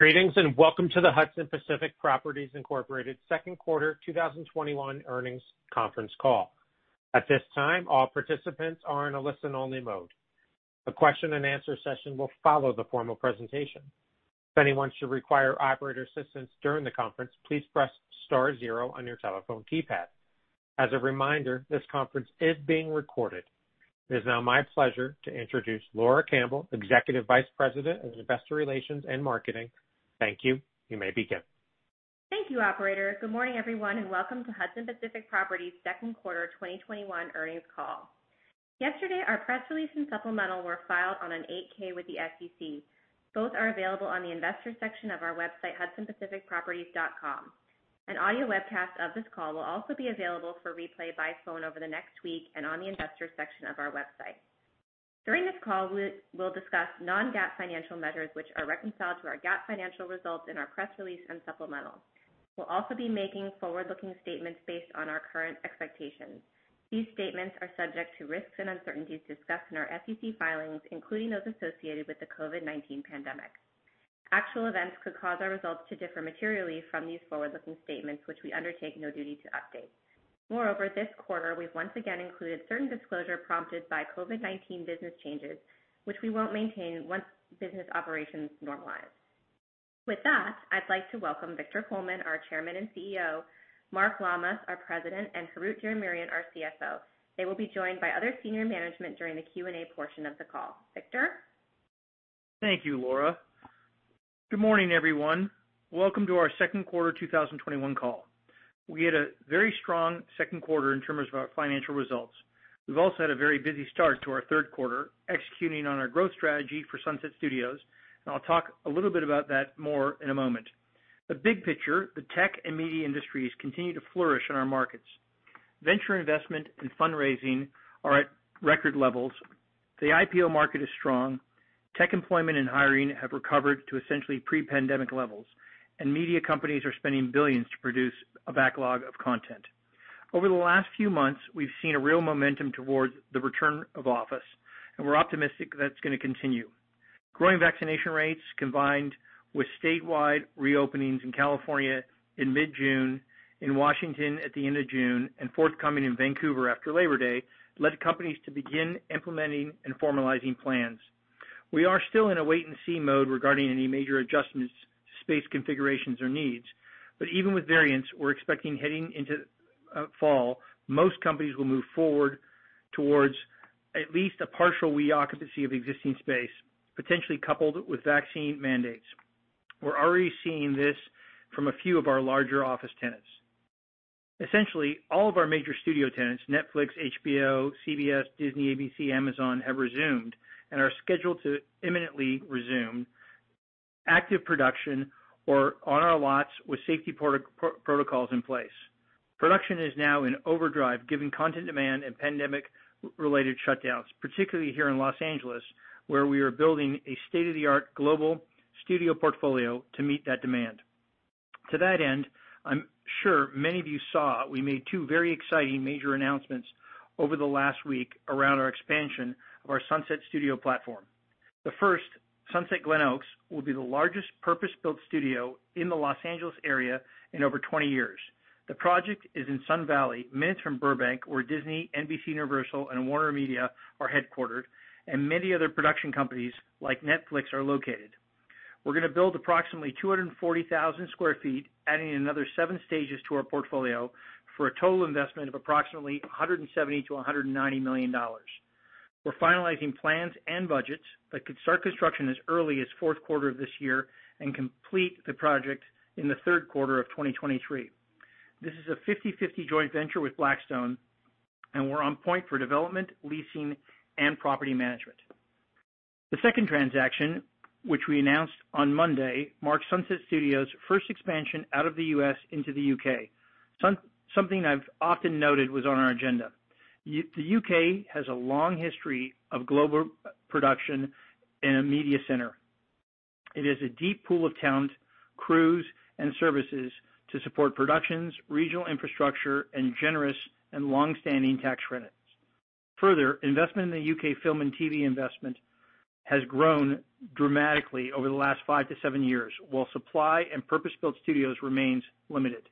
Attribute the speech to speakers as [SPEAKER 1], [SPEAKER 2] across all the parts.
[SPEAKER 1] Greetings, welcome to the Hudson Pacific Properties, Inc second quarter 2021 earnings conference call. At this time, all participants are in a listen-only mode. A question and answer session will follow the formal presentation. If anyone should require operator assistance during the conference, please press star zero on your telephone keypad. As a reminder, this conference is being recorded. It is now my pleasure to introduce Laura Campbell, Executive Vice President of Investor Relations and Marketing. Thank you. You may begin.
[SPEAKER 2] Thank you, operator. Good morning, everyone, and welcome to Hudson Pacific Properties' second quarter 2021 earnings call. Yesterday, our press release and supplemental were filed on an 8-K with the SEC. Both are available on the investors section of our website, hudsonpacificproperties.com. An audio webcast of this call will also be available for replay by phone over the next week and on the investors section of our website. During this call, we'll discuss non-GAAP financial measures, which are reconciled to our GAAP financial results in our press release and supplemental. We'll also be making forward-looking statements based on our current expectations. These statements are subject to risks and uncertainties discussed in our SEC filings, including those associated with the COVID-19 pandemic. Actual events could cause our results to differ materially from these forward-looking statements, which we undertake no duty to update. Moreover, this quarter, we've once again included certain disclosure prompted by COVID-19 business changes, which we won't maintain once business operations normalize. With that, I'd like to welcome Victor Coleman, our Chairman and CEO, Mark Lammas, our President, and Harout Diramerian, our CFO. They will be joined by other senior management during the Q&A portion of the call. Victor?
[SPEAKER 3] Thank you, Laura. Good morning, everyone. Welcome to our second quarter 2021 call. We had a very strong second quarter in terms of our financial results. We've also had a very busy start to our third quarter, executing on our growth strategy for Sunset Studios, and I'll talk a little bit about that more in a moment. The big picture, the tech and media industries continue to flourish in our markets. Venture investment and fundraising are at record levels. The IPO market is strong. Tech employment and hiring have recovered to essentially pre-pandemic levels, and media companies are spending billions to produce a backlog of content. Over the last few months, we've seen a real momentum towards the return of office, and we're optimistic that's going to continue. Growing vaccination rates, combined with statewide reopenings in California in mid-June, in Washington at the end of June, and forthcoming in Vancouver after Labor Day, led companies to begin implementing and formalizing plans. We are still in a wait-and-see mode regarding any major adjustments to space configurations or needs. Even with variants, we're expecting heading into fall, most companies will move forward towards at least a partial reoccupancy of existing space, potentially coupled with vaccine mandates. We're already seeing this from a few of our larger office tenants. Essentially, all of our major studio tenants, Netflix, HBO, CBS, Disney, ABC, Amazon, have resumed and are scheduled to imminently resume active production or on our lots with safety protocols in place. Production is now in overdrive given content demand and pandemic related shutdowns, particularly here in Los Angeles, where we are building a state-of-the-art global studio portfolio to meet that demand. To that end, I'm sure many of you saw we made two very exciting major announcements over the last week around our expansion of our Sunset Studios platform. The first, Sunset Glenoaks, will be the largest purpose-built studio in the Los Angeles area in over 20 years. The project is in Sun Valley, minutes from Burbank, where Disney, NBCUniversal, and WarnerMedia are headquartered, and many other production companies like Netflix are located. We're going to build approximately 240,000 sq ft, adding another seven stages to our portfolio for a total investment of approximately $170 million-$190 million. We're finalizing plans and budgets that could start construction as early as the fourth quarter of this year and complete the project in the third quarter of 2023. This is a 50/50 JV with Blackstone, and we're on point for development, leasing, and property management. The second transaction, which we announced on Monday, marks Sunset Studios' first expansion out of the U.S. into the U.K. Something I've often noted was on our agenda. The U.K. has a long history of global production and a media center. It has a deep pool of talent, crews, and services to support productions, regional infrastructure, and generous and longstanding tax credits. Further, investment in the U.K. film and TV investment has grown dramatically over the last 5-7 years, while supply and purpose-built studios remains limited.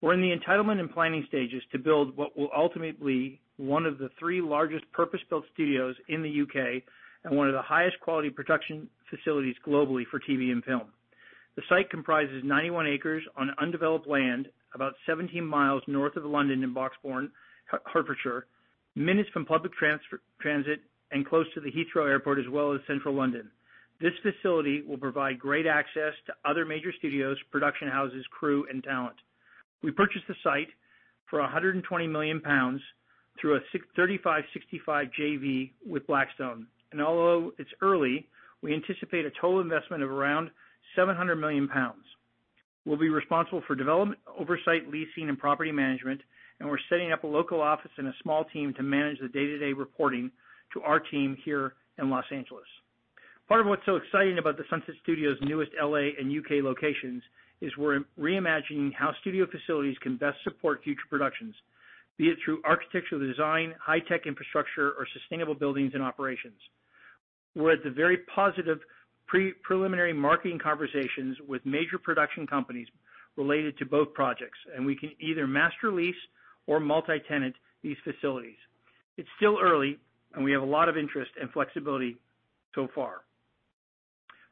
[SPEAKER 3] We're in the entitlement and planning stages to build what will ultimately be one of the three largest purpose-built studios in the U.K. and one of the highest quality production facilities globally for TV and film. The site comprises 91 acres on undeveloped land about 17mi north of London in Broxbourne, Hertfordshire, minutes from public transit and close to the Heathrow Airport as well as central London. This facility will provide great access to other major studios, production houses, crew, and talent. We purchased the site for 120 million pounds through a 35/65 JV with Blackstone. Although it's early, we anticipate a total investment of around 700 million pounds. We'll be responsible for development, oversight, leasing, and property management, and we're setting up a local office and a small team to manage the day-to-day reporting to our team here in Los Angeles. Part of what's so exciting about the Sunset Studios' newest L.A. and U.K. locations is we're reimagining how studio facilities can best support future productions. Be it through architectural design, high-tech infrastructure, or sustainable buildings and operations. We're at the very positive preliminary marketing conversations with major production companies related to both projects, and we can either master lease or multi-tenant these facilities. It's still early, and we have a lot of interest and flexibility so far.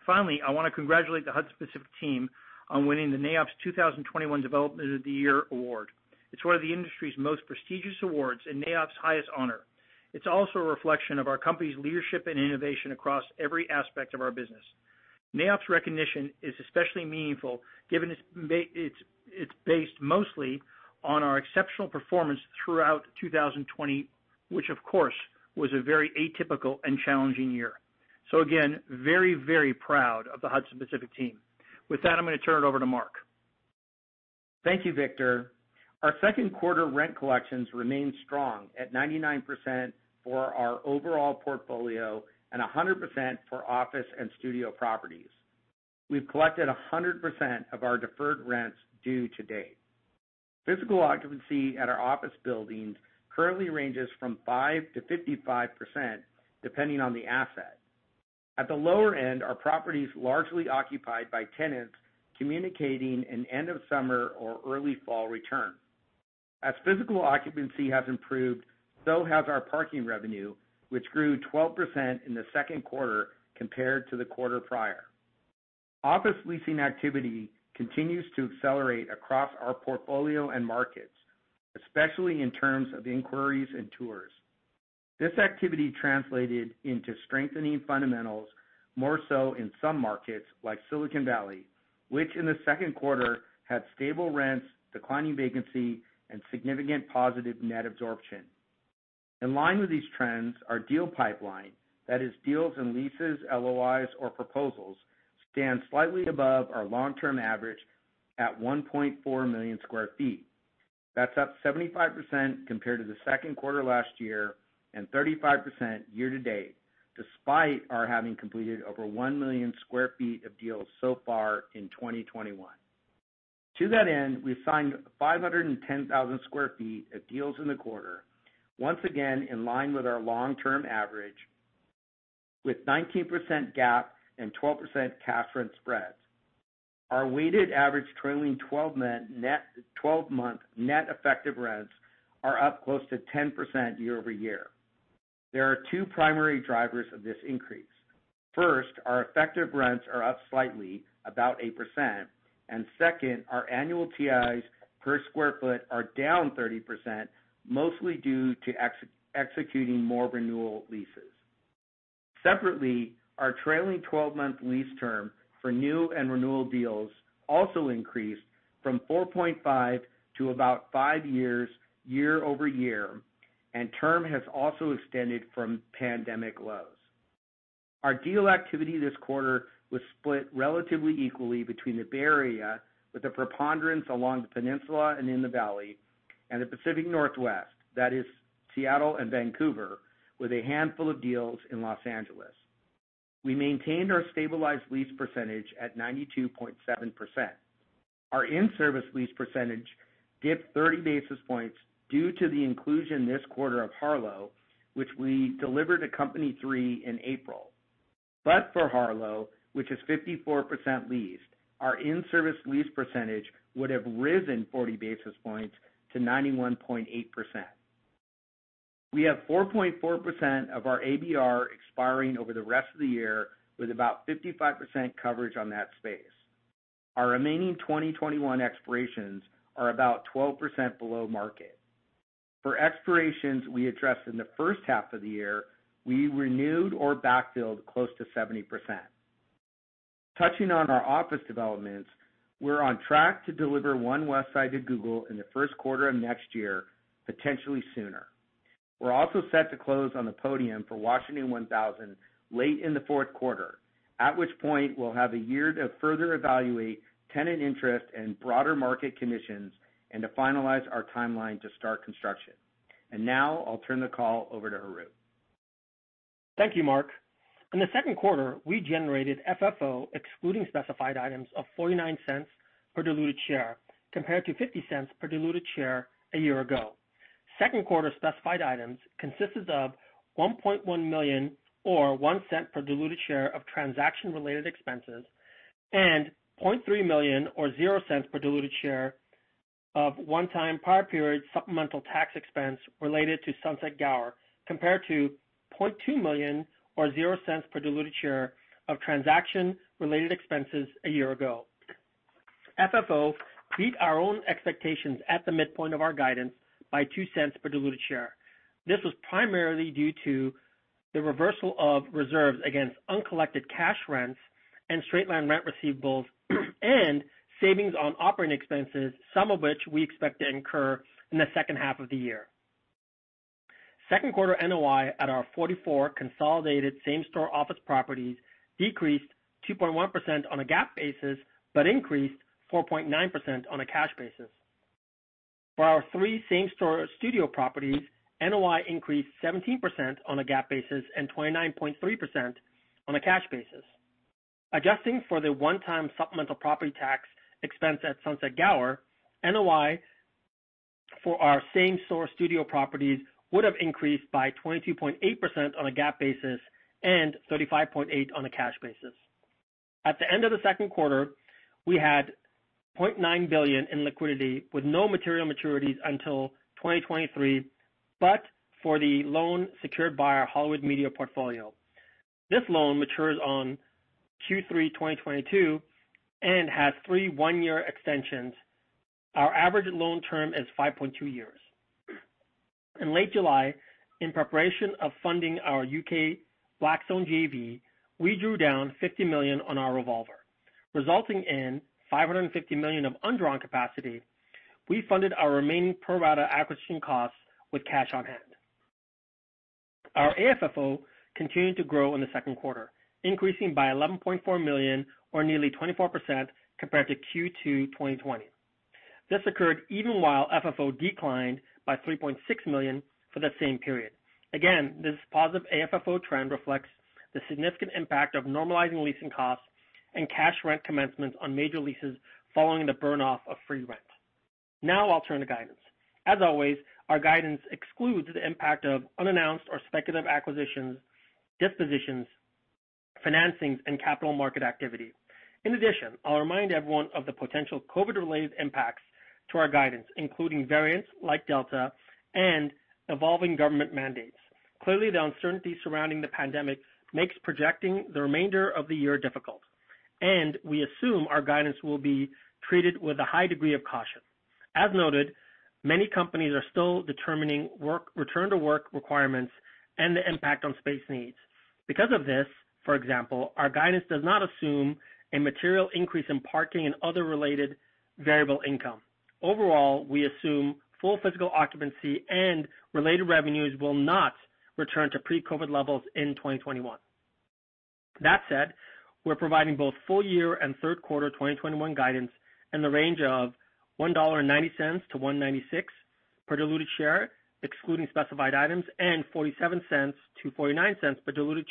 [SPEAKER 3] I want to congratulate the Hudson Pacific team on winning the NAIOP's 2021 Development of the Year Award. It's one of the industry's most prestigious awards and NAIOP's highest honor. It's also a reflection of our company's leadership and innovation across every aspect of our business. NAIOP's recognition is especially meaningful given it's based mostly on our exceptional performance throughout 2020, which, of course, was a very atypical and challenging year. Again, very proud of the Hudson Pacific team. With that, I'm going to turn it over to Mark.
[SPEAKER 4] Thank you, Victor. Our second quarter rent collections remained strong at 99% for our overall portfolio and 100% for office and studio properties. We've collected 100% of our deferred rents due to date. Physical occupancy at our office buildings currently ranges from 5%-55%, depending on the asset. At the lower end, our property is largely occupied by tenants communicating an end of summer or early fall return. As physical occupancy has improved, so has our parking revenue, which grew 12% in the second quarter compared to the quarter prior. Office leasing activity continues to accelerate across our portfolio and markets, especially in terms of inquiries and tours. This activity translated into strengthening fundamentals, more so in some markets like Silicon Valley, which in the second quarter had stable rents, declining vacancy, and significant positive net absorption. In line with these trends, our deal pipeline, that is deals and leases, LOIs, or proposals, stand slightly above our long-term average at 1.4 million sq ft. That's up 75% compared to the second quarter last year and 35% year-to-date, despite our having completed over 1 million sq ft of deals so far in 2021. To that end, we've signed 510,000 sq ft of deals in the quarter, once again in line with our long-term average, with 19% GAAP and 12% cash rent spreads. Our weighted average trailing 12-month net effective rents are up close to 10% year-over-year. There are two primary drivers of this increase. First, our effective rents are up slightly, about 8%, and second, our annual TIs per sq ft are down 30%, mostly due to executing more renewal leases. Separately, our trailing 12-month lease term for new and renewal deals also increased from 4.5 to about five years year-over-year, and term has also extended from pandemic lows. Our deal activity this quarter was split relatively equally between the Bay Area, with a preponderance along the Peninsula and in the Valley, and the Pacific Northwest, that is Seattle and Vancouver, with a handful of deals in Los Angeles. We maintained our stabilized lease percentage at 92.7%. Our in-service lease percentage dipped 30 basis points due to the inclusion this quarter of Harlow, which we delivered to Company 3 in April. For Harlow, which is 54% leased, our in-service lease percentage would have risen 40 basis points to 91.8%. We have 4.4% of our ABR expiring over the rest of the year, with about 55% coverage on that space. Our remaining 2021 expirations are about 12% below market. For expirations we addressed in the first half of the year, we renewed or backfilled close to 70%. Touching on our office developments, we're on track to deliver One Westside to Google in the first quarter of next year, potentially sooner. We're also set to close on the podium for Washington 1000 late in the fourth quarter, at which point we'll have a year to further evaluate tenant interest and broader market conditions and to finalize our timeline to start construction. Now I'll turn the call over to Harout.
[SPEAKER 5] Thank you, Mark. In the second quarter, we generated FFO excluding specified items of $0.49 per diluted share, compared to $0.50 per diluted share a year ago. Second quarter specified items consisted of $1.1 million or $0.01 per diluted share of transaction-related expenses and $0.3 million or $0.00 per diluted share of one-time prior period supplemental tax expense related to Sunset Gower, compared to $0.2 million or $0.00 per diluted share of transaction-related expenses a year ago. FFO beat our own expectations at the midpoint of our guidance by $0.02 per diluted share. This was primarily due to the reversal of reserves against uncollected cash rents and straight line rent receivables and savings on operating expenses, some of which we expect to incur in the second half of the year. Second quarter NOI at our 44 consolidated same store office properties decreased 2.1% on a GAAP basis, but increased 4.9% on a cash basis. For our three same store studio properties, NOI increased 17% on a GAAP basis and 29.3% on a cash basis. Adjusting for the one-time supplemental property tax expense at Sunset Gower, NOI for our same-store studio properties would have increased by 22.8% on a GAAP basis and 35.8% on a cash basis. At the end of the second quarter, we had $0.9 billion in liquidity with no material maturities until 2023, but for the loan secured by our Hollywood Media portfolio. This loan matures on Q3 2022 and has three one-year extensions. Our average loan term is 5.2 years. In late July, in preparation of funding our U.K. Blackstone JV, we drew down $50 million on our revolver, resulting in $550 million of undrawn capacity. We funded our remaining pro-rata acquisition costs with cash on hand. Our AFFO continued to grow in the second quarter, increasing by $11.4 million or nearly 24% compared to Q2 2020. This occurred even while FFO declined by $3.6 million for that same period. Again, this positive AFFO trend reflects the significant impact of normalizing leasing costs and cash rent commencement on major leases following the burn-off of free rent. Now I'll turn to guidance. As always, our guidance excludes the impact of unannounced or speculative acquisitions, dispositions, financings, and capital market activity. In addition, I'll remind everyone of the potential COVID-related impacts to our guidance, including variants like Delta and evolving government mandates. Clearly, the uncertainty surrounding the pandemic makes projecting the remainder of the year difficult, and we assume our guidance will be treated with a high degree of caution. As noted, many companies are still determining return-to-work requirements and the impact on space needs. Because of this, for example, our guidance does not assume a material increase in parking and other related variable income. Overall, we assume full physical occupancy and related revenues will not return to pre-COVID levels in 2021. That said, we're providing both full year and third quarter 2021 guidance in the range of $1.90-$1.96 per diluted share, excluding specified items, and $0.47-$0.49 per diluted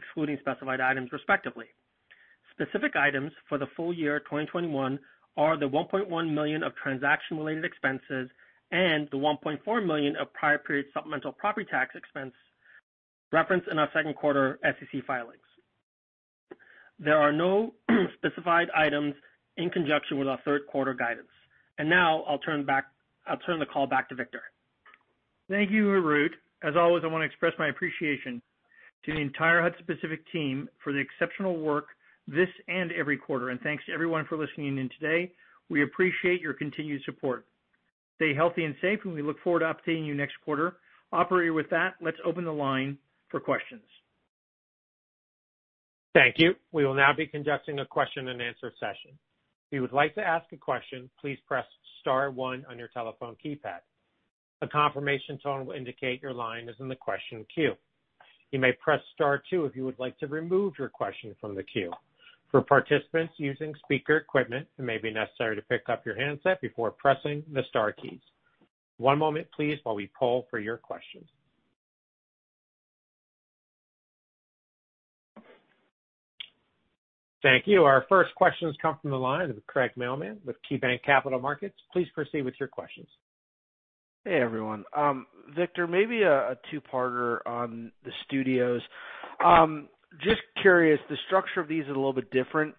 [SPEAKER 5] share, excluding specified items, respectively. Specific items for the full year 2021 are the $1.1 million of transaction-related expenses and the $1.4 million of prior period supplemental property tax expense referenced in our second quarter SEC filings. There are no specified items in conjunction with our third quarter guidance. Now I'll turn the call back to Victor.
[SPEAKER 3] Thank you, Harout. As always, I want to express my appreciation to the entire Hudson Pacific team for the exceptional work this and every quarter. Thanks to everyone for listening in today. We appreciate your continued support. Stay healthy and safe, and we look forward to updating you next quarter. Operator, with that, let's open the line for questions.
[SPEAKER 1] Thank you. Thank you. Our first questions come from the line of Craig Mailman with KeyBanc Capital Markets. Please proceed with your questions.
[SPEAKER 6] Hey, everyone. Victor, maybe a two-parter on the studios. Just curious, the structure of these are a little bit different,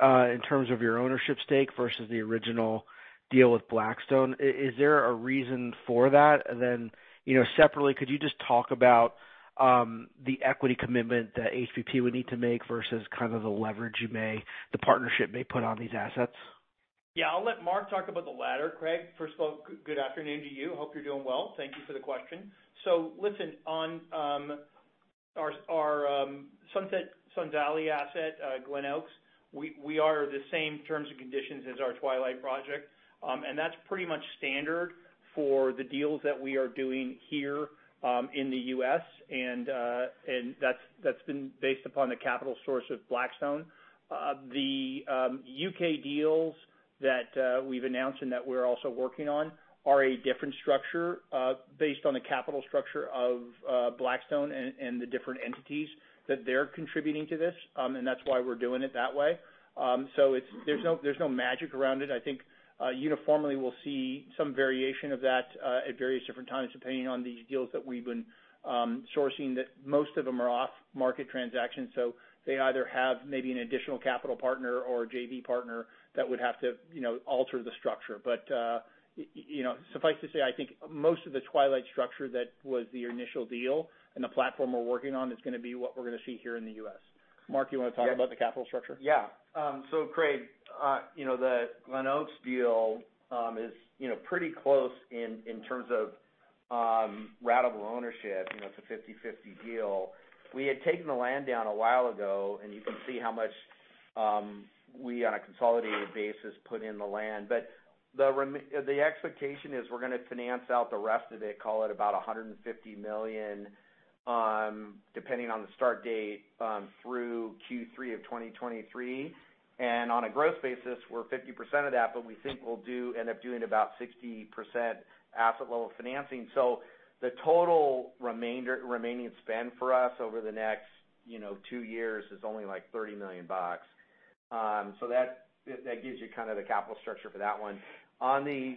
[SPEAKER 6] in terms of your ownership stake versus the original deal with Blackstone. Is there a reason for that? Separately, could you just talk about the equity commitment that HPP would need to make versus kind of the leverage the partnership may put on these assets?
[SPEAKER 3] Yeah, I'll let Mark talk about the latter, Craig. First of all, good afternoon to you. Hope you're doing well. Thank you for the question. Listen, on our Sunset Glenoaks Studios, we are the same terms and conditions as our Twilight project. That's pretty much standard for the deals that we are doing here in the U.S., and that's been based upon the capital source of Blackstone. The U.K. deals that we've announced and that we're also working on are a different structure, based on the capital structure of Blackstone and the different entities that they're contributing to this, and that's why we're doing it that way. There's no magic around it. I think uniformly we'll see some variation of that at various different times, depending on the deals that we've been sourcing that most of them are off-market transactions, so they either have maybe an additional capital partner or a JV partner that would have to alter the structure. Suffice to say, I think most of the Twilight structure that was the initial deal and the platform we're working on is going to be what we're going to see here in the U.S. Mark, you want to talk about the capital structure?
[SPEAKER 4] Craig, the Glenoaks deal is pretty close in terms of ratable ownership. It's a 50/50 deal. We had taken the land down a while ago, and you can see how much we on a consolidated basis put in the land. The expectation is we're going to finance out the rest of it, call it about $150 million, depending on the start date, through Q3 of 2023. On a gross basis, we're 50% of that, but we think we'll end up doing about 60% asset level financing. The total remaining spend for us over the next two years is only like $30 million. That gives you kind of the capital structure for that one. On the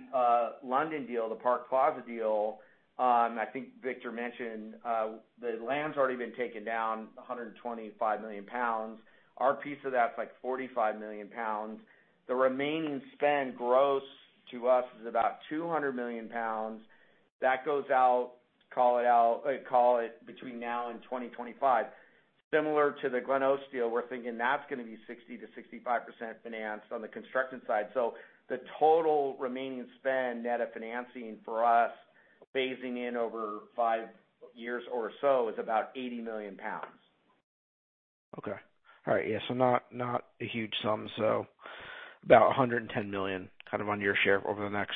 [SPEAKER 4] London deal, the Park Plaza deal, I think Victor mentioned, the land's already been taken down 125 million pounds. Our piece of that's like 45 million pounds. The remaining spend gross to us is about 200 million pounds. That goes out, call it between now and 2025. Similar to the Glenoaks deal, we're thinking that's going to be 60%-65% financed on the construction side. The total remaining spend net of financing for us, phasing in over five years or so, is about 80 million pounds.
[SPEAKER 6] Okay. All right. Yeah. Not a huge sum. About $110 million kind of on your share over the next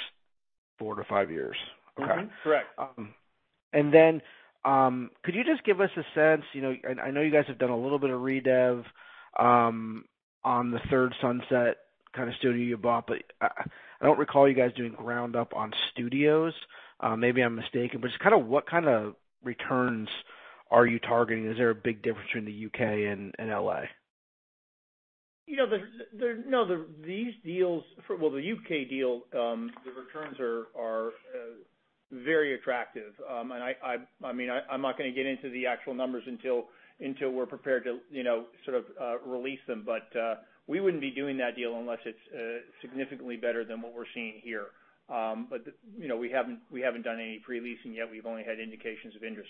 [SPEAKER 6] four to five years. Okay.
[SPEAKER 4] Correct.
[SPEAKER 6] Could you just give us a sense, and I know you guys have done a little bit of redev on the third Sunset kind of studio you bought, but I don't recall you guys doing ground-up on studios. Maybe I'm mistaken, but just what kind of returns are you targeting? Is there a big difference between the U.K. and L.A.?
[SPEAKER 3] These deals, well, the U.K. deal, the returns are very attractive. I'm not going to get into the actual numbers until we're prepared to sort of release them. We wouldn't be doing that deal unless it's significantly better than what we're seeing here. We haven't done any pre-leasing yet. We've only had indications of interest.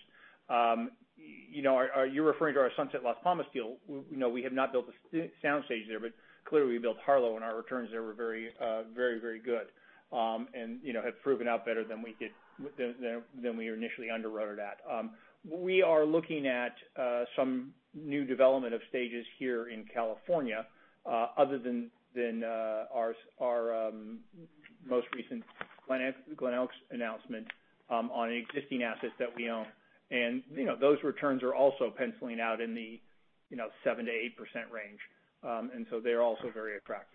[SPEAKER 3] Are you referring to our Sunset Las Palmas deal? We have not built the sound stage there, but clearly we built Harlow, and our returns there were very good. Have proven out better than we initially underwrote it at. We are looking at some new development of stages here in California, other than our most recent Glenoaks announcement on existing assets that we own. Those returns are also penciling out in the 7%-8% range. They're also very attractive.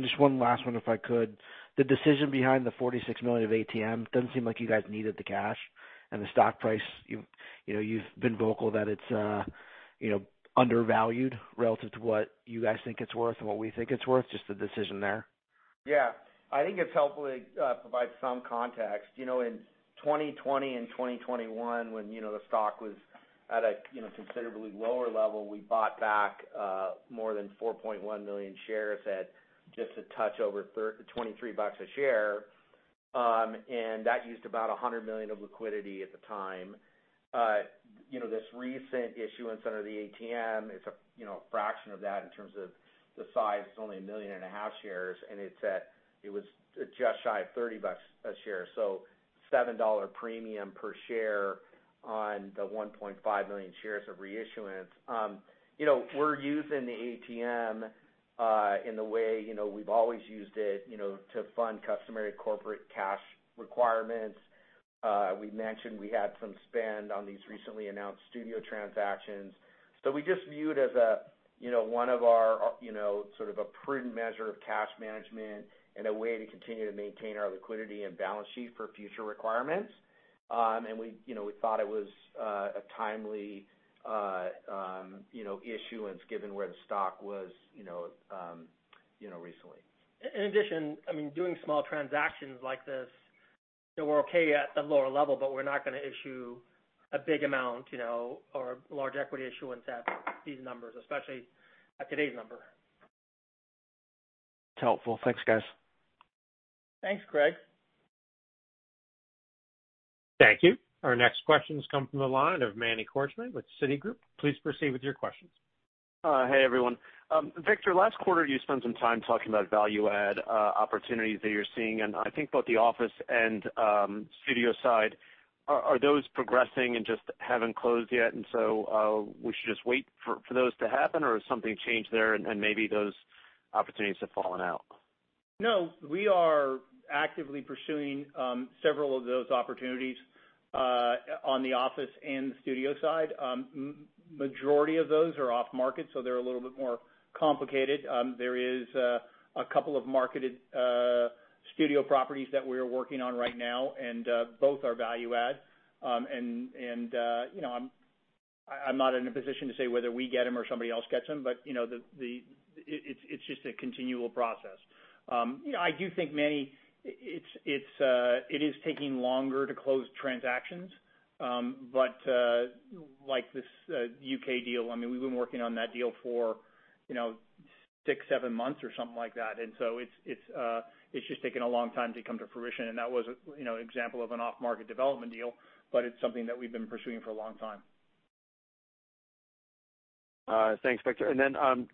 [SPEAKER 6] Just one last one, if I could. The decision behind the $46 million of ATM, doesn't seem like you guys needed the cash, and the stock price, you've been vocal that it's undervalued relative to what you guys think it's worth and what we think it's worth, just the decision there?
[SPEAKER 4] Yeah. I think it's helpful to provide some context. In 2020 and 2021, when the stock was at a considerably lower level, we bought back more than 4.1 million shares at just a touch over $23 a share. That used about $100 million of liquidity at the time. This recent issuance under the ATM, it's a fraction of that in terms of the size. It's only 1.5 million shares, and it was just shy of $30 a share. $7 premium per share on the 1.5 million shares of reissuance. We're using the ATM in the way we've always used it, to fund customary corporate cash requirements. We mentioned we had some spend on these recently announced studio transactions. We just view it as one of our sort of a prudent measure of cash management and a way to continue to maintain our liquidity and balance sheet for future requirements. We thought it was a timely issuance given where the stock was recently.
[SPEAKER 3] Doing small transactions like this, we're okay at the lower level, but we're not going to issue a big amount or a large equity issuance at these numbers, especially at today's number.
[SPEAKER 6] It's helpful. Thanks, guys.
[SPEAKER 4] Thanks, Craig.
[SPEAKER 1] Thank you. Our next question comes from the line of Manny Korchman with Citigroup. Please proceed with your questions.
[SPEAKER 7] Hey, everyone. Victor, last quarter you spent some time talking about value add opportunities that you're seeing in, I think, both the office and studio side. Are those progressing and just haven't closed yet, and so we should just wait for those to happen? Or has something changed there, and maybe those opportunities have fallen out?
[SPEAKER 3] No. We are actively pursuing several of those opportunities on the office and the studio side. Majority of those are off market, so they're a little bit more complicated. There is a couple of marketed studio properties that we're working on right now, both are value-add. I'm not in a position to say whether we get them or somebody else gets them, but it's just a continual process. I do think, Manny, it is taking longer to close transactions. Like this U.K. deal, we've been working on that deal for six, seven months or something like that. It's just taken a long time to come to fruition, and that was an example of an off-market development deal, but it's something that we've been pursuing for a long time.
[SPEAKER 7] Thanks, Victor.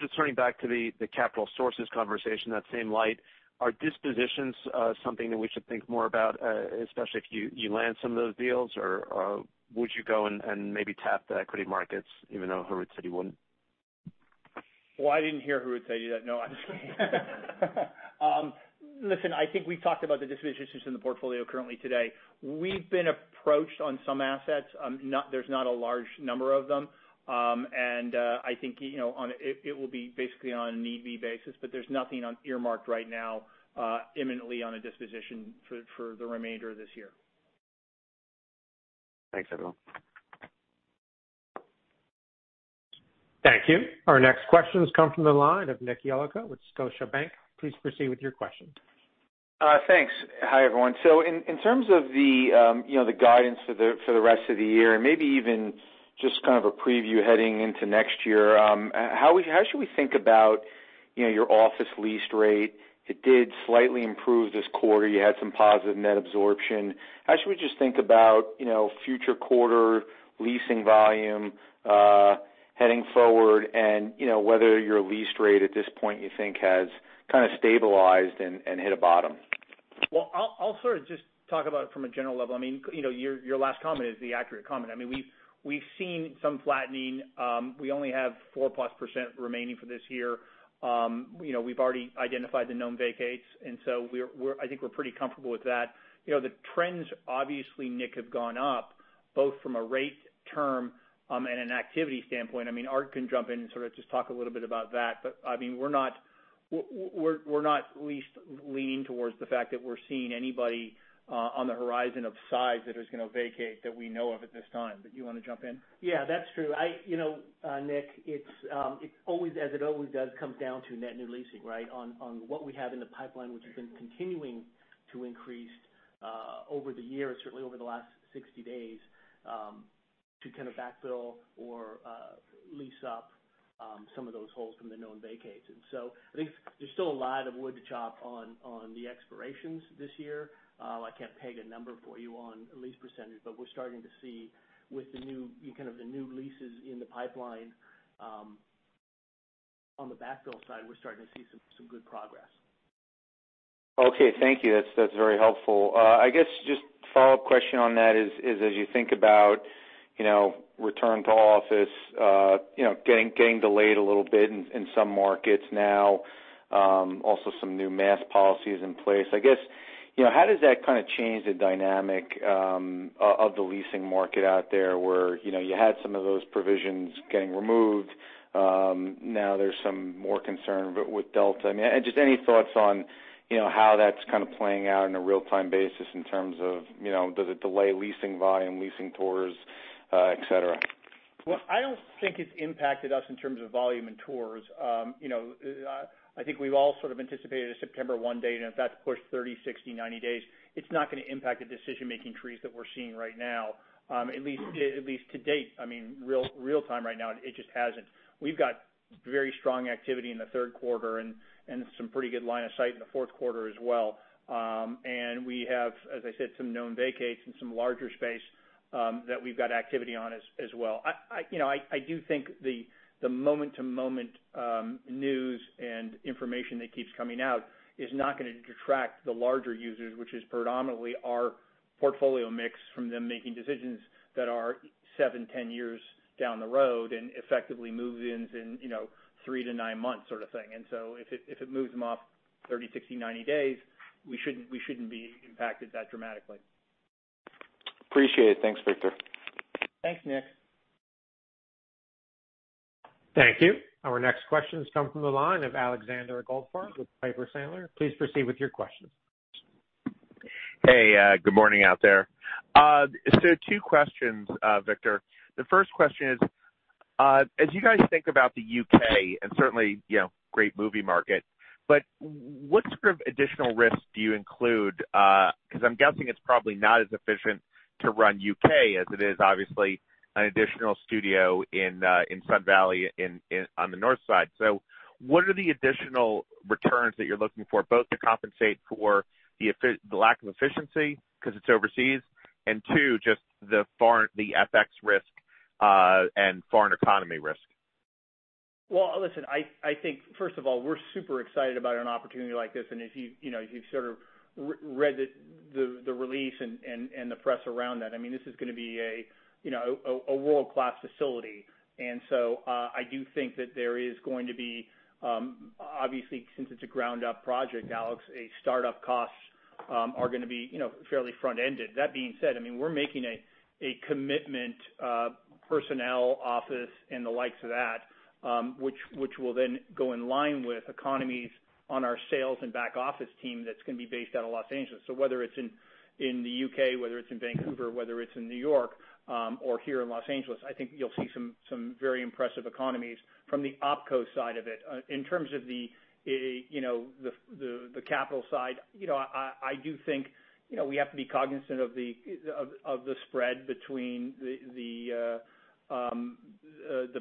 [SPEAKER 7] Just turning back to the capital sources conversation, that same light. Are dispositions something that we should think more about, especially if you land some of those deals, or would you go and maybe tap the equity markets even though Harout said you wouldn't?
[SPEAKER 3] Well, I didn't hear Harout Diramerian say that. No, I'm just kidding. Listen, I think we've talked about the dispositions in the portfolio currently today. We've been approached on some assets. There's not a large number of them. I think it will be basically on a need-be basis, but there's nothing earmarked right now imminently on a disposition for the remainder of this year. Thanks, everyone.
[SPEAKER 1] Thank you. Our next questions come from the line of Nick Yulico with Scotiabank. Please proceed with your question.
[SPEAKER 8] Thanks. Hi, everyone. In terms of the guidance for the rest of the year, and maybe even just kind of a preview heading into next year, how should we think about your office lease rate? It did slightly improve this quarter. You had some positive net absorption. How should we just think about future quarter leasing volume heading forward and whether your lease rate at this point you think has kind of stabilized and hit a bottom?
[SPEAKER 3] I'll sort of just talk about it from a general level. Your last comment is the accurate comment. We've seen some flattening. We only have 4%+ remaining for this year. We've already identified the known vacates, I think we're pretty comfortable with that. The trends, obviously, Nick, have gone up both from a rate term and an activity standpoint. Art can jump in and sort of just talk a little bit about that. We're not least leaning towards the fact that we're seeing anybody on the horizon of size that is going to vacate that we know of at this time. You want to jump in?
[SPEAKER 9] That's true. Nick, as it always does, comes down to net new leasing, right, on what we have in the pipeline, which has been continuing to increase over the year, certainly over the last 60 days, to kind of backfill or lease up some of those holes from the known vacates. I think there's still a lot of wood to chop on the expirations this year. I can't peg a number for you on a lease percentage, but we're starting to see with the kind of the new leases in the pipeline, on the backfill side, we're starting to see some good progress.
[SPEAKER 8] Okay. Thank you. That's very helpful. I guess just a follow-up question on that is as you think about return to office getting delayed a little bit in some markets now, also some new mask policies in place. I guess, how does that kind of change the dynamic of the leasing market out there where you had some of those provisions getting removed, now there's some more concern with Delta. Just any thoughts on how that's kind of playing out on a real-time basis in terms of does it delay leasing volume, leasing tours, et cetera?
[SPEAKER 3] I don't think it's impacted us in terms of volume and tours. I think we've all sort of anticipated a September 1 date, and if that's pushed 30, 60, 90 days, it's not going to impact the decision-making trees that we're seeing right now. At least to date, real time right now, it just hasn't. We've got very strong activity in the third quarter and some pretty good line of sight in the fourth quarter as well. We have, as I said, some known vacates and some larger space that we've got activity on as well. I do think the moment-to-moment news and information that keeps coming out is not going to detract the larger users, which is predominantly our portfolio mix from them making decisions that are 7-10 years down the road and effectively move-ins in three-nine months sort of thing. If it moves them off 30, 60, 90 days, we shouldn't be impacted that dramatically.
[SPEAKER 8] Appreciate it. Thanks, Victor.
[SPEAKER 3] Thanks, Nick.
[SPEAKER 1] Thank you. Our next questions come from the line of Alexander Goldfarb with Piper Sandler. Please proceed with your question.
[SPEAKER 10] Hey, good morning out there. Two questions, Victor. The first question is, as you guys think about the U.K., and certainly great movie market, but what sort of additional risks do you include? Because I'm guessing it's probably not as efficient to run U.K. as it is obviously an additional studio in Sun Valley on the north side. What are the additional returns that you're looking for, both to compensate for the lack of efficiency because it's overseas, and 2, just the FX risk, and foreign economy risk?
[SPEAKER 3] Well, listen, I think, first of all, we're super excited about an opportunity like this, as you've sort of read the release and the press around that, this is going to be a world-class facility. I do think that there is going to be, obviously since it's a ground-up project, Alex, startup costs are going to be fairly front-ended. That being said, we're making a commitment, personnel, office, and the likes of that, which will then go in line with economies on our sales and back office team that's going to be based out of Los Angeles. Whether it's in the U.K., whether it's in Vancouver, whether it's in New York, or here in Los Angeles, I think you'll see some very impressive economies from the opco side of it. In terms of the capital side, I do think we have to be cognizant of the spread between the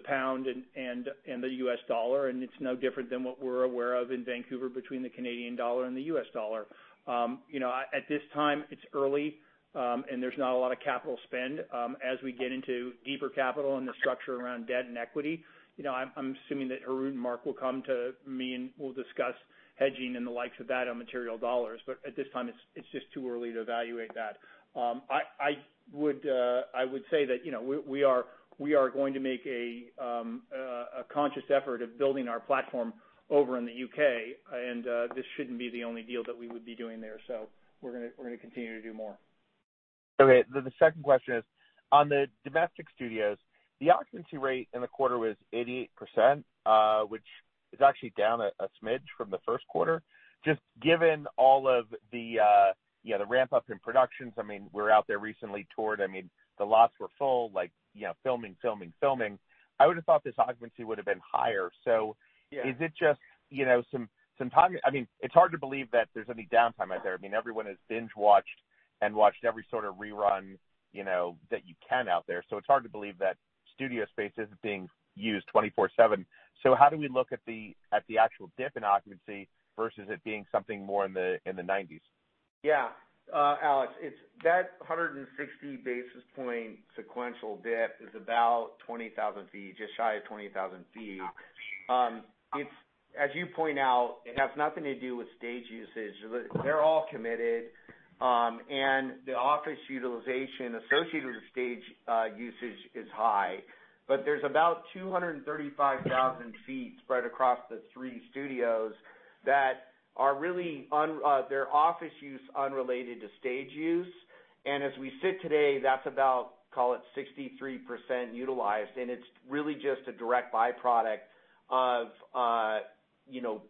[SPEAKER 3] pound and the U.S. dollar, and it's no different than what we're aware of in Vancouver between the Canadian dollar and the U.S. dollar. At this time, it's early, and there's not a lot of capital spend. As we get into deeper capital and the structure around debt and equity, I'm assuming that Harout and Mark will come to me, and we'll discuss hedging and the likes of that on material dollars. At this time, it's just too early to evaluate that. I would say that we are going to make a conscious effort of building our platform over in the U.K., and this shouldn't be the only deal that we would be doing there. We're going to continue to do more.
[SPEAKER 10] Okay. The second question is, on the domestic studios, the occupancy rate in the quarter was 88%, which is actually down a smidge from the first quarter. Just given all of the ramp up in productions, we're out there recently toured. The lots were full, filming. I would've thought this occupancy would've been higher. It's hard to believe that there's any downtime out there. Everyone has binge-watched and watched every sort of rerun, that you can out there. It's hard to believe that studio space isn't being used 24/7. How do we look at the actual dip in occupancy versus it being something more in the 90s?
[SPEAKER 4] Yeah. Alex, that 160 basis point sequential dip is about 20,000 feet, just shy of 20,000 feet. As you point out, it has nothing to do with stage usage. They're all committed. The office utilization associated with stage usage is high, but there's about 235,000 feet spread across the three studios that are really office use unrelated to stage use. As we sit today, that's about, call it, 63% utilized. It's really just a direct byproduct of COVID-19,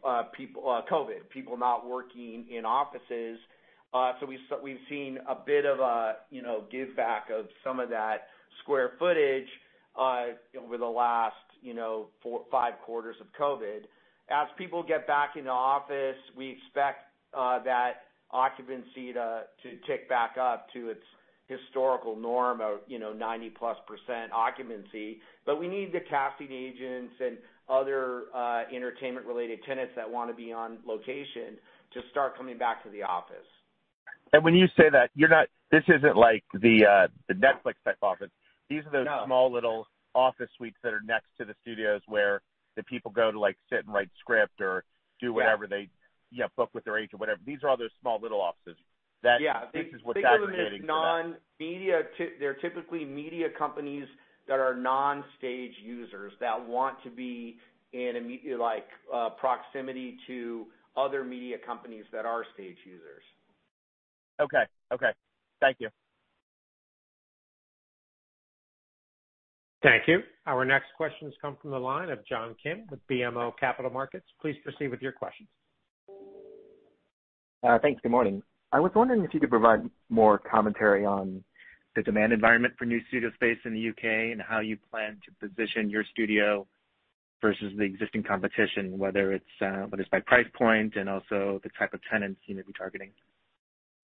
[SPEAKER 4] people not working in offices. We've seen a bit of a give back of some of that square footage over the last four, five quarters of COVID-19. As people get back in the office, we expect that occupancy to tick back up to its historical norm of 90%+ occupancy. We need the casting agents and other entertainment-related tenants that want to be on location to start coming back to the office.
[SPEAKER 10] When you say that, this isn't like the Netflix type office.
[SPEAKER 4] No.
[SPEAKER 10] These are those small little office suites that are next to the studios where the people go to sit and write script or do whatever they book with their agent, whatever. These are all those small little offices. This is what's originating from that.
[SPEAKER 4] Think of them as non-media. They're typically media companies that are non-stage users that want to be in a proximity to other media companies that are stage users.
[SPEAKER 10] Okay. Thank you.
[SPEAKER 1] Thank you. Our next question comes from the line of John Kim with BMO Capital Markets. Please proceed with your questions.
[SPEAKER 11] Thanks. Good morning. I was wondering if you could provide more commentary on the demand environment for new studio space in the U.K. and how you plan to position your studio versus the existing competition, whether it's by price point and also the type of tenants you may be targeting.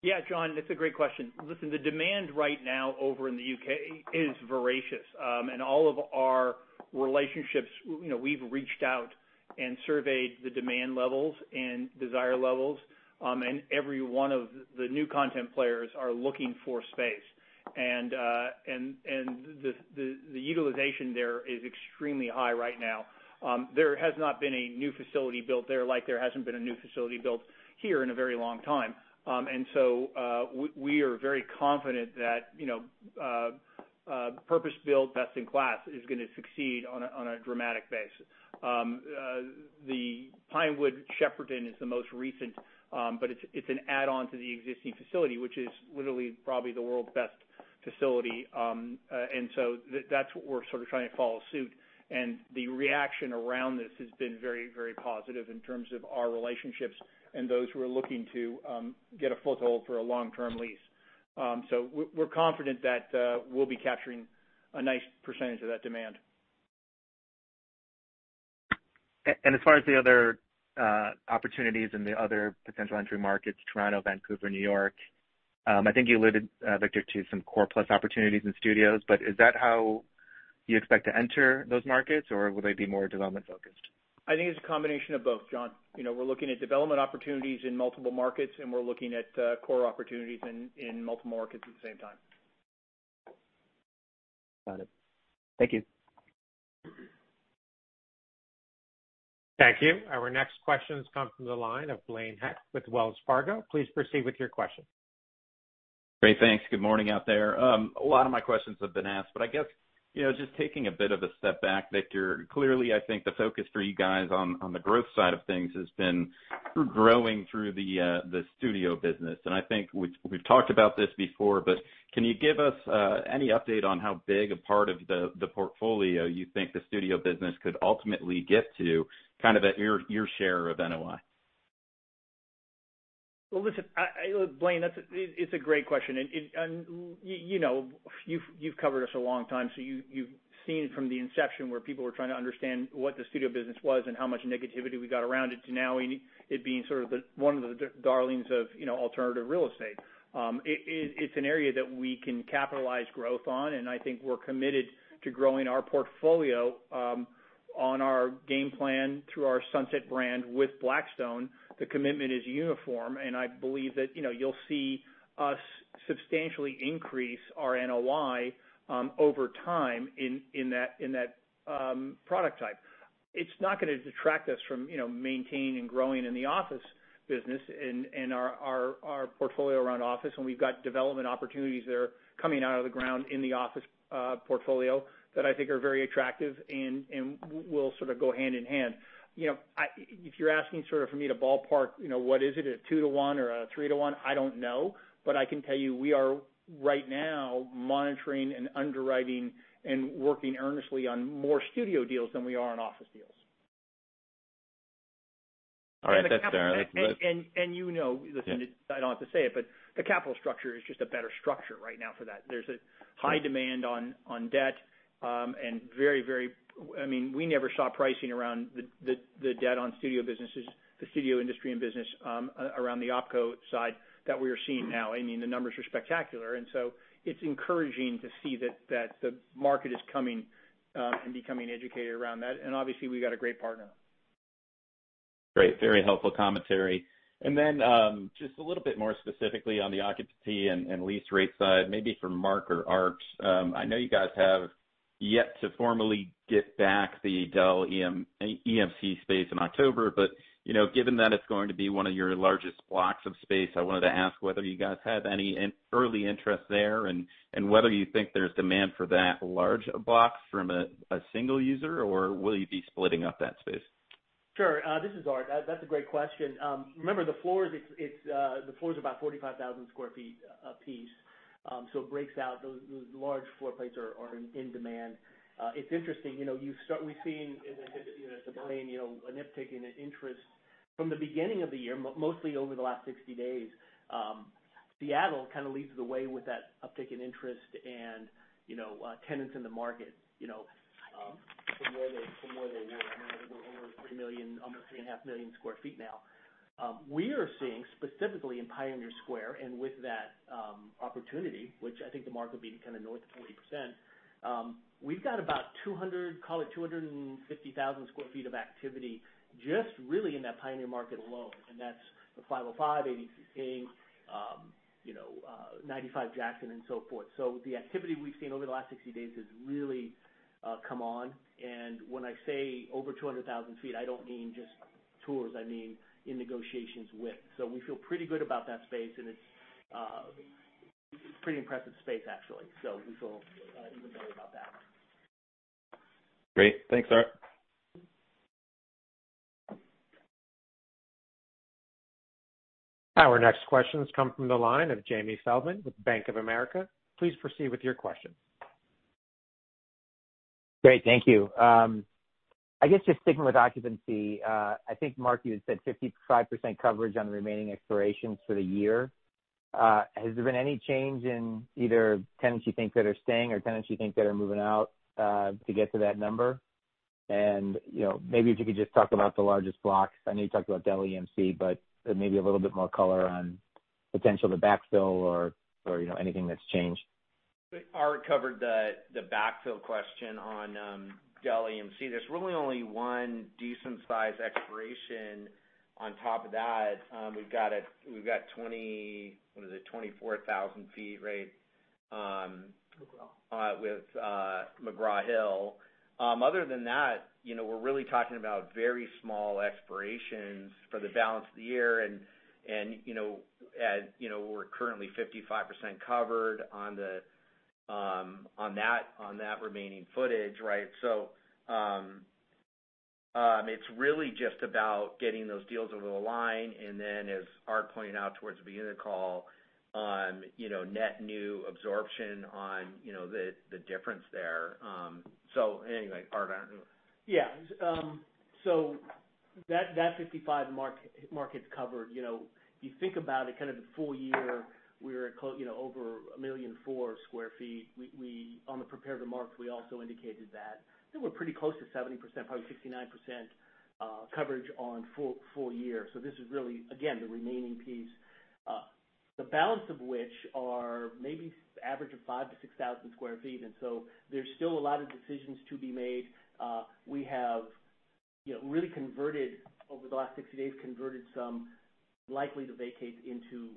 [SPEAKER 4] Yeah, John, it's a great question. Listen, the demand right now over in the U.K. is voracious. All of our relationships, we've reached out and surveyed the demand levels and desire levels. Every one of the new content players are looking for space. The utilization there is extremely high right now. There has not been a new facility built there, like there hasn't been a new facility built here in a very long time. We are very confident that purpose-built best-in-class is going to succeed on a dramatic basis. The Pinewood Shepperton is the most recent, it's an add-on to the existing facility, which is literally probably the world's best facility. That's what we're sort of trying to follow suit. The reaction around this has been very positive in terms of our relationships and those who are looking to get a foothold for a long-term lease. We're confident that we'll be capturing a nice percentage of that demand.
[SPEAKER 11] As far as the other opportunities and the other potential entry markets, Toronto, Vancouver, New York, I think you alluded, Victor, to some core plus opportunities in studios, but is that how you expect to enter those markets or will they be more development focused?
[SPEAKER 3] I think it's a combination of both, John. We're looking at development opportunities in multiple markets, and we're looking at core opportunities in multiple markets at the same time.
[SPEAKER 11] Got it. Thank you.
[SPEAKER 1] Thank you. Our next question comes from the line of Blaine Heck with Wells Fargo. Please proceed with your question.
[SPEAKER 12] Great. Thanks. Good morning out there. A lot of my questions have been asked, but I guess, just taking a bit of a step back, Victor, clearly, I think the focus for you guys on the growth side of things has been growing through the studio business. I think we've talked about this before, but can you give us any update on how big a part of the portfolio you think the studio business could ultimately get to, kind of at your share of NOI?
[SPEAKER 3] Well, listen Blaine, it's a great question, and you've covered us a long time, so you've seen it from the inception where people were trying to understand what the studio business was and how much negativity we got around it to now it being sort of one of the darlings of alternative real estate. It's an area that we can capitalize growth on, and I think we're committed to growing our portfolio, on our game plan through our Sunset brand with Blackstone. The commitment is uniform, and I believe that you'll see us substantially increase our NOI over time in that product type.
[SPEAKER 4] It's not going to detract us from maintaining and growing in the office business and our portfolio around office. We've got development opportunities that are coming out of the ground in the office portfolio that I think are very attractive and will sort of go hand in hand. If you're asking sort of for me to ballpark what is it, a 2:1 or a 3:1, I don't know. I can tell you we are right now monitoring and underwriting and working earnestly on more studio deals than we are on office deals.
[SPEAKER 12] All right. That's fair.
[SPEAKER 3] You know, listen, I don't have to say it, but the capital structure is just a better structure right now for that. There's a high demand on debt, and we never saw pricing around the debt on studio businesses, the studio industry and business around the opco side that we are seeing now. The numbers are spectacular. It's encouraging to see that the market is coming and becoming educated around that. Obviously, we got a great partner.
[SPEAKER 12] Great. Very helpful commentary. Just a little bit more specifically on the occupancy and lease rate side, maybe for Mark or Art. I know you guys have yet to formally get back the Dell EMC space in October, but given that it's going to be one of your largest blocks of space, I wanted to ask whether you guys have any early interest there, and whether you think there's demand for that large a block from a single user, or will you be splitting up that space?
[SPEAKER 9] Sure. This is Art. That's a great question. Remember, the floor's about 45,000 sq ft a piece. It breaks out. Those large floor plates are in demand. It's interesting. We've seen as I said, at the beginning, an uptick in interest from the beginning of the year, mostly over the last 60 days. Seattle kind of leads the way with that uptick in interest and tenants in the market from where they were. We're over 3 million, almost 3.5 million sq ft now. We are seeing specifically in Pioneer Square and with that opportunity, which I think the market will be kind of north of 40%. We've got about 200,000, call it 250,000 sq ft of activity just really in that Pioneer market alone. That's the 505, 83 King, 95 Jackson and so forth. The activity we've seen over the last 60 days has really come on. When I say over 200,000 sq ft, I don't mean just tours, I mean in negotiations with. We feel pretty good about that space and it's pretty impressive space, actually. We feel even better about that.
[SPEAKER 4] Great. Thanks, Art.
[SPEAKER 1] Our next questions come from the line of Jamie Feldman with Bank of America. Please proceed with your questions.
[SPEAKER 13] Great. Thank you. I guess just sticking with occupancy. I think Mark you had said 55% coverage on the remaining expirations for the year. Has there been any change in either tenants you think that are staying or tenants you think that are moving out to get to that number? Maybe if you could just talk about the largest blocks. I know you talked about Dell EMC, maybe a little bit more color on potential to backfill or anything that's changed.
[SPEAKER 4] Art covered the backfill question on Dell EMC. There's really only one decent size expiration on top of that. We've got 24,000 feet.
[SPEAKER 9] McGraw.
[SPEAKER 4] With McGraw Hill. Other than that, we're really talking about very small expirations for the balance of the year. We're currently 55% covered on that remaining footage. It's really just about getting those deals over the line, and then as Art pointed out towards the beginning of the call on net new absorption on the difference there. Anyway, Art.
[SPEAKER 9] That 55% market covered. The full year, we're at over 1.4 million sq ft. On the prepared remarks, we also indicated that. We're pretty close to 70%, probably 69% coverage on full year. This is really, again, the remaining piece. The balance of which are maybe average of 5,000-6,000 sq ft. There's still a lot of decisions to be made. We have really converted over the last 60 days, converted some likely to vacate into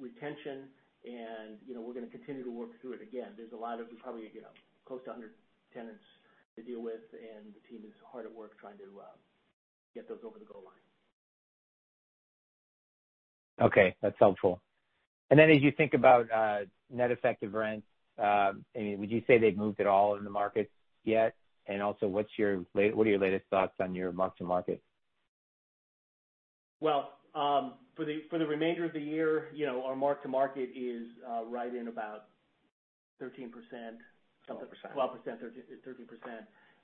[SPEAKER 9] retention. We're going to continue to work through it. Again, there's probably close to 100 tenants to deal with. The team is hard at work trying to get those over the goal line.
[SPEAKER 13] Okay. That's helpful. As you think about net effective rents, would you say they've moved at all in the market yet? What are your latest thoughts on your mark-to-market?
[SPEAKER 9] Well, for the remainder of the year, our mark-to-market is right in about 13%.
[SPEAKER 4] 12%.
[SPEAKER 9] 12%, 13%.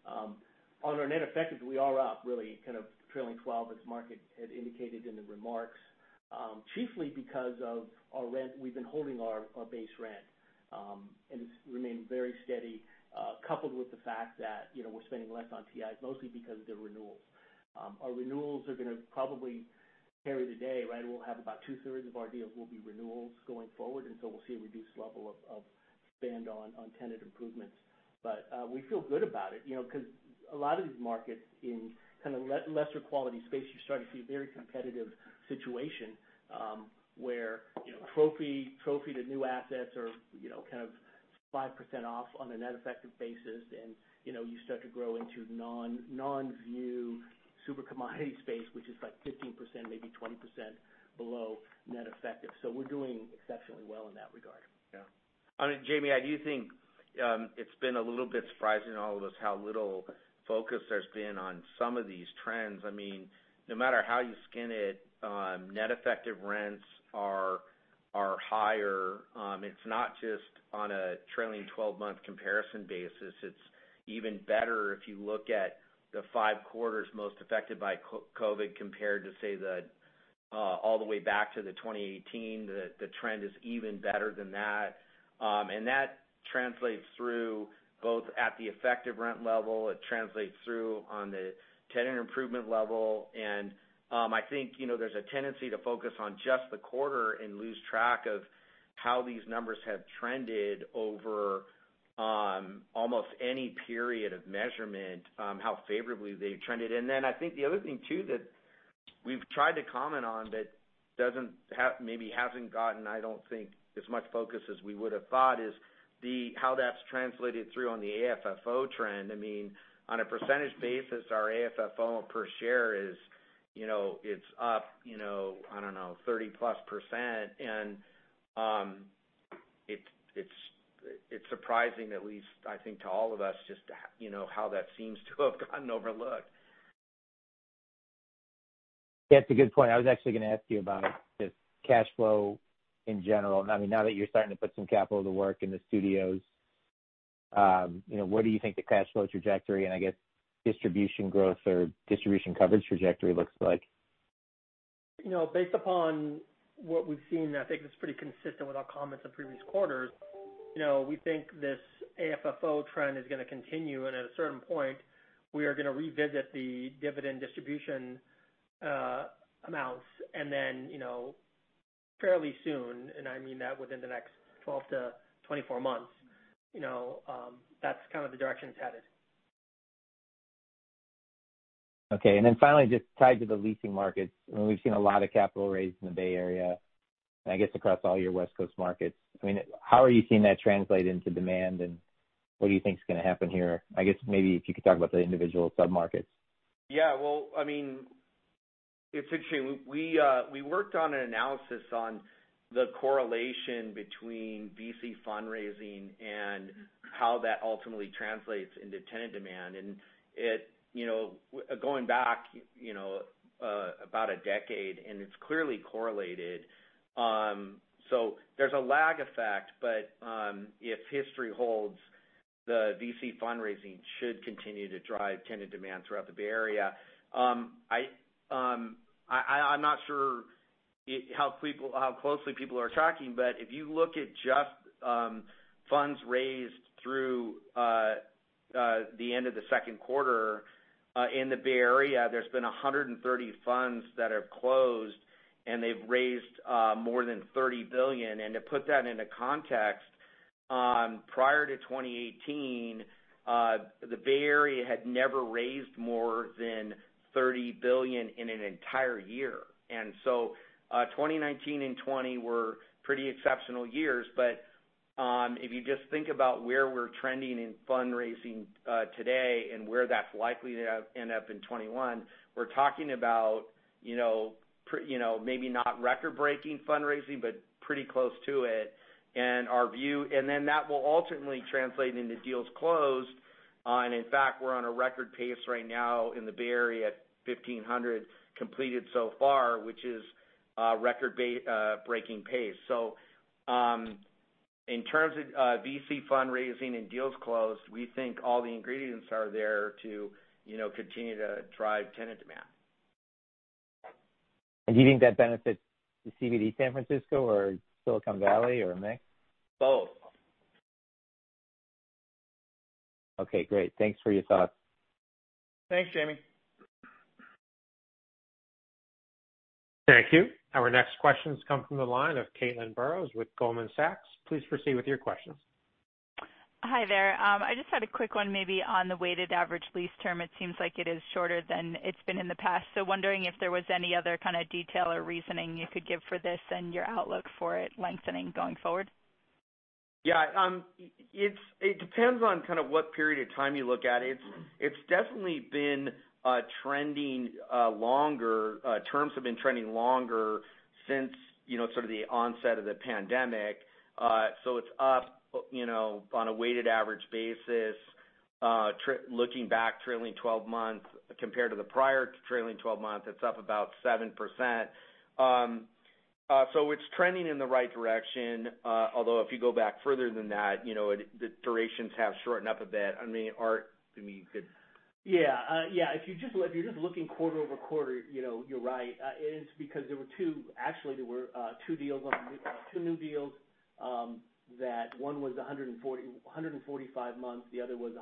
[SPEAKER 9] On our net effectives, we are up really kind of trailing 12 as Mark had indicated in the remarks. Chiefly because of our rent, we've been holding our base rent. It's remained very steady, coupled with the fact that we're spending less on TIs, mostly because of the renewals. Our renewals are going to probably carry the day. We'll have about two-thirds of our deals will be renewals going forward, we'll see a reduced level of spend on tenant improvements. We feel good about it, because a lot of these markets in kind of lesser quality space, you're starting to see a very competitive situation, where trophy to new assets are kind of 5% off on a net effective basis, and you start to grow into non-view super commodity space, which is like 15%, maybe 20% below net effective. We're doing exceptionally well in that regard.
[SPEAKER 4] Yeah. Jamie, I do think it's been a little bit surprising to all of us how little focus there's been on some of these trends. No matter how you skin it, net effective rents are Are higher. It's not just on a trailing 12-month comparison basis. It's even better if you look at the five quarters most affected by COVID, compared to, say, all the way back to the 2018, the trend is even better than that. That translates through both at the effective rent level. It translates through on the tenant improvement level. I think there's a tendency to focus on just the quarter and lose track of how these numbers have trended over almost any period of measurement, how favorably they've trended. Then I think the other thing too, that we've tried to comment on that maybe hasn't gotten, I don't think, as much focus as we would have thought is how that's translated through on the AFFO trend. On a percentage basis, our AFFO per share is up, I don't know, 30%+. It's surprising at least, I think to all of us, just how that seems to have gotten overlooked.
[SPEAKER 13] That's a good point. I was actually going to ask you about just cash flow in general. Now that you're starting to put some capital to work in the studios, what do you think the cash flow trajectory and, I guess, distribution growth or distribution coverage trajectory looks like?
[SPEAKER 5] Based upon what we've seen, I think it's pretty consistent with our comments in previous quarters. We think this AFFO trend is going to continue, and at a certain point, we are going to revisit the dividend distribution amounts, and then fairly soon, I mean that within the next 12-24 months. That's kind of the direction it's headed.
[SPEAKER 13] Okay. Finally, just tied to the leasing markets. We've seen a lot of capital raised in the Bay Area, and I guess, across all your West Coast markets. How are you seeing that translate into demand, and what do you think is going to happen here? I guess, maybe if you could talk about the individual sub-markets.
[SPEAKER 4] It's interesting. We worked on an analysis on the correlation between VC fundraising and how that ultimately translates into tenant demand. Going back about a decade, it's clearly correlated. There's a lag effect, if history holds, the VC fundraising should continue to drive tenant demand throughout the Bay Area. I'm not sure how closely people are tracking, if you look at just funds raised through the end of the second quarter in the Bay Area, there's been 130 funds that have closed, and they've raised more than $30 billion. To put that into context, prior to 2018, the Bay Area had never raised more than $30 billion in an entire year. 2019 and 2020 were pretty exceptional years. If you just think about where we're trending in fundraising today and where that's likely to end up in 2021, we're talking about maybe not record-breaking fundraising, but pretty close to it. That will ultimately translate into deals closed. In fact, we're on a record pace right now in the Bay Area at 1,500 completed so far, which is a record-breaking pace. In terms of VC fundraising and deals closed, we think all the ingredients are there to continue to drive tenant demand.
[SPEAKER 13] Do you think that benefits the CBD San Francisco or Silicon Valley or a mix?
[SPEAKER 4] Both.
[SPEAKER 13] Okay, great. Thanks for your thoughts.
[SPEAKER 4] Thanks, Jamie.
[SPEAKER 1] Thank you. Our next questions come from the line of Caitlin Burrows with Goldman Sachs. Please proceed with your questions.
[SPEAKER 14] Hi there. I just had a quick one, maybe on the weighted average lease term. It seems like it is shorter than it's been in the past. I was wondering if there was any other kind of detail or reasoning you could give for this and your outlook for it lengthening going forward.
[SPEAKER 4] Yeah. It depends on kind of what period of time you look at it. It's definitely been trending longer. Terms have been trending longer since sort of the onset of the pandemic. It's up on a weighted average basis. Looking back trailing 12 months compared to the prior trailing 12 months, it's up about 7%. It's trending in the right direction. Although if you go back further than that, the durations have shortened up a bit. Art, maybe you could.
[SPEAKER 9] Yeah. If you're just looking quarter-over-quarter, you're right. It's because actually there were two new deals. That one was 145 months, the other was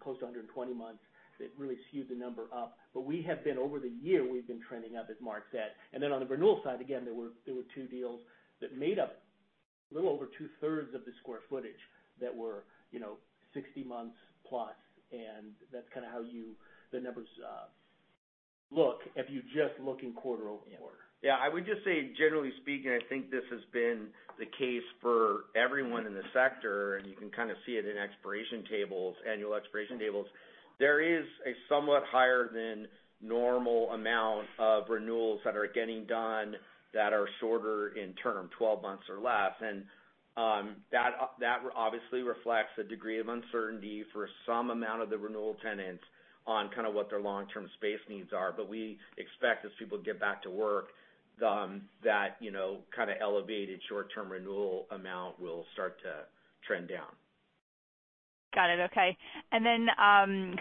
[SPEAKER 9] close to 120 months. It really skewed the number up. We have been over the year, we've been trending up, as Mark said. On the renewal side, again, there were two deals that made up a little over two-thirds of the square footage that were 60+ months, and that's kind of how the numbers look if you're just looking quarter-over-quarter.
[SPEAKER 4] I would just say, generally speaking, I think this has been the case for everyone in the sector, and you can kind of see it in annual expiration tables. There is a somewhat higher than normal amount of renewals that are getting done that are shorter in term, 12 months or less. That obviously reflects a degree of uncertainty for some amount of the renewal tenants on kind of what their long-term space needs are. We expect as people get back to work, that kind of elevated short-term renewal amount will start to trend down.
[SPEAKER 14] Got it. Okay.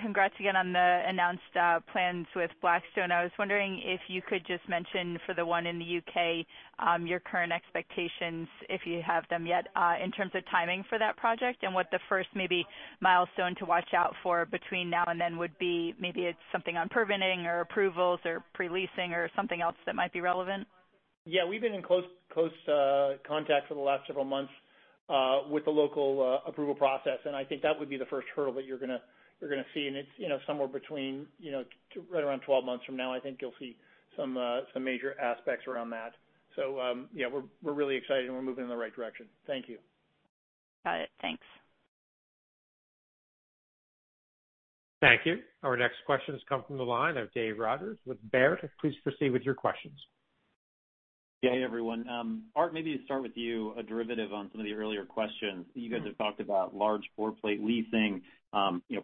[SPEAKER 14] Congrats again on the announced plans with Blackstone. I was wondering if you could just mention for the one in the U.K., your current expectations, if you have them yet, in terms of timing for that project and what the first maybe milestone to watch out for between now and then would be. Maybe it's something on permitting or approvals or pre-leasing or something else that might be relevant.
[SPEAKER 3] Yeah. We've been in close contact for the last several months with the local approval process. I think that would be the first hurdle that you're going to see. It's somewhere between right around 12 months from now, I think you'll see some major aspects around that. Yeah, we're really excited and we're moving in the right direction. Thank you.
[SPEAKER 14] Got it. Thanks.
[SPEAKER 1] Thank you. Our next question has come from the line of David Rodgers with Baird. Please proceed with your questions.
[SPEAKER 15] Hey, everyone. Art, maybe to start with you, a derivative on some of the earlier questions. You guys have talked about large floor plate leasing,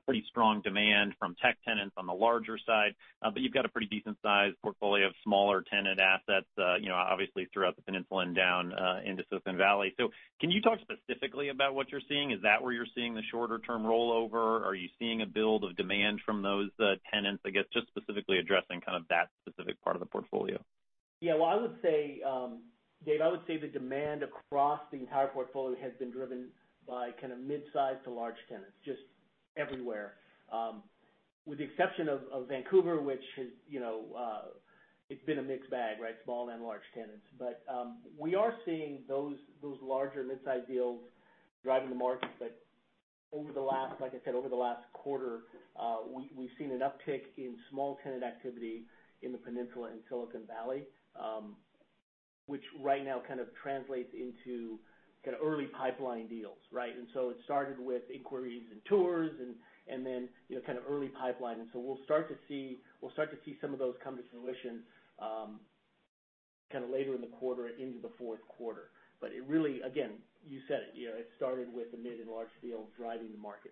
[SPEAKER 15] pretty strong demand from tech tenants on the larger side. But you've got a pretty decent size portfolio of smaller tenant assets, obviously throughout the peninsula and down into Silicon Valley. So can you talk specifically about what you're seeing? Is that where you're seeing the shorter-term rollover? Are you seeing a build of demand from those tenants? I guess, just specifically addressing kind of that specific part of the portfolio?
[SPEAKER 9] Well, David, I would say the demand across the entire portfolio has been driven by mid-size to large tenants, just everywhere. With the exception of Vancouver, which it's been a mixed bag, right? Small and large tenants. We are seeing those larger mid-size deals driving the market. Like I said, over the last quarter, we've seen an uptick in small tenant activity in the Peninsula in Silicon Valley, which right now kind of translates into early pipeline deals, right? It started with inquiries and tours and then early pipeline. We'll start to see some of those come to fruition later in the quarter into the fourth quarter. It really, again, you said it started with the mid and large deals driving the market.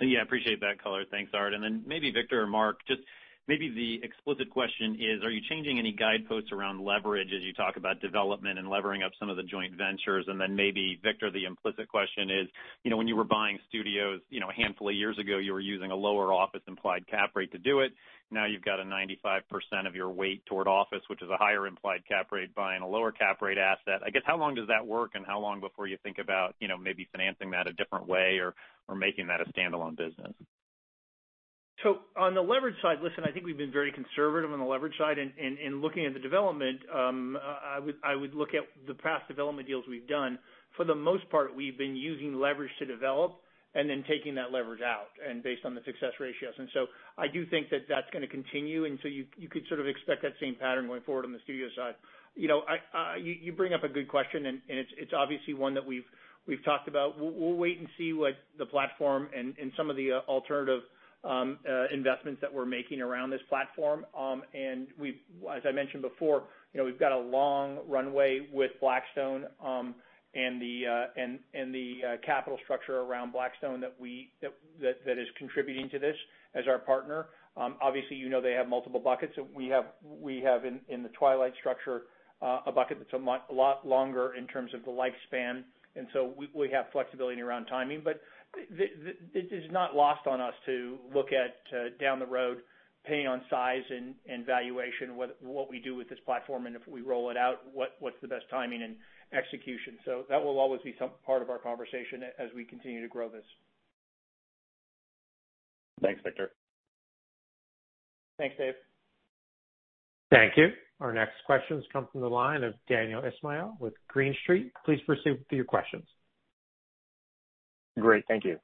[SPEAKER 15] Yeah, appreciate that color. Thanks, Art. Maybe Victor or Mark, just maybe the explicit question is, are you changing any guideposts around leverage as you talk about development and levering up some of the joint ventures? Maybe Victor, the implicit question is, when you were buying studios a handful of years ago, you were using a lower office implied cap rate to do it. Now you've got a 95% of your weight toward office, which is a higher implied cap rate, buying a lower cap rate asset. I guess, how long does that work and how long before you think about maybe financing that a different way or making that a standalone business?
[SPEAKER 3] On the leverage side, listen, I think we've been very conservative on the leverage side. Looking at the development, I would look at the past development deals we've done. For the most part, we've been using leverage to develop and then taking that leverage out and based on the success ratios. I do think that that's going to continue, and so you could sort of expect that same pattern going forward on the studio side. You bring up a good question, and it's obviously one that we've talked about. We'll wait and see what the platform and some of the alternative investments that we're making around this platform. As I mentioned before, we've got a long runway with Blackstone, and the capital structure around Blackstone that is contributing to this as our partner. Obviously, you know they have multiple buckets. We have in the Twilight structure a bucket that's a lot longer in terms of the lifespan, and so we have flexibility around timing. It is not lost on us to look at, down the road, depending on size and valuation, what we do with this platform, and if we roll it out, what's the best timing and execution. That will always be some part of our conversation as we continue to grow this.
[SPEAKER 15] Thanks, Victor.
[SPEAKER 3] Thanks, Dave.
[SPEAKER 1] Thank you. Our next question comes from the line of Daniel Ismail with Green Street. Please proceed with your questions.
[SPEAKER 16] Great. Thank you.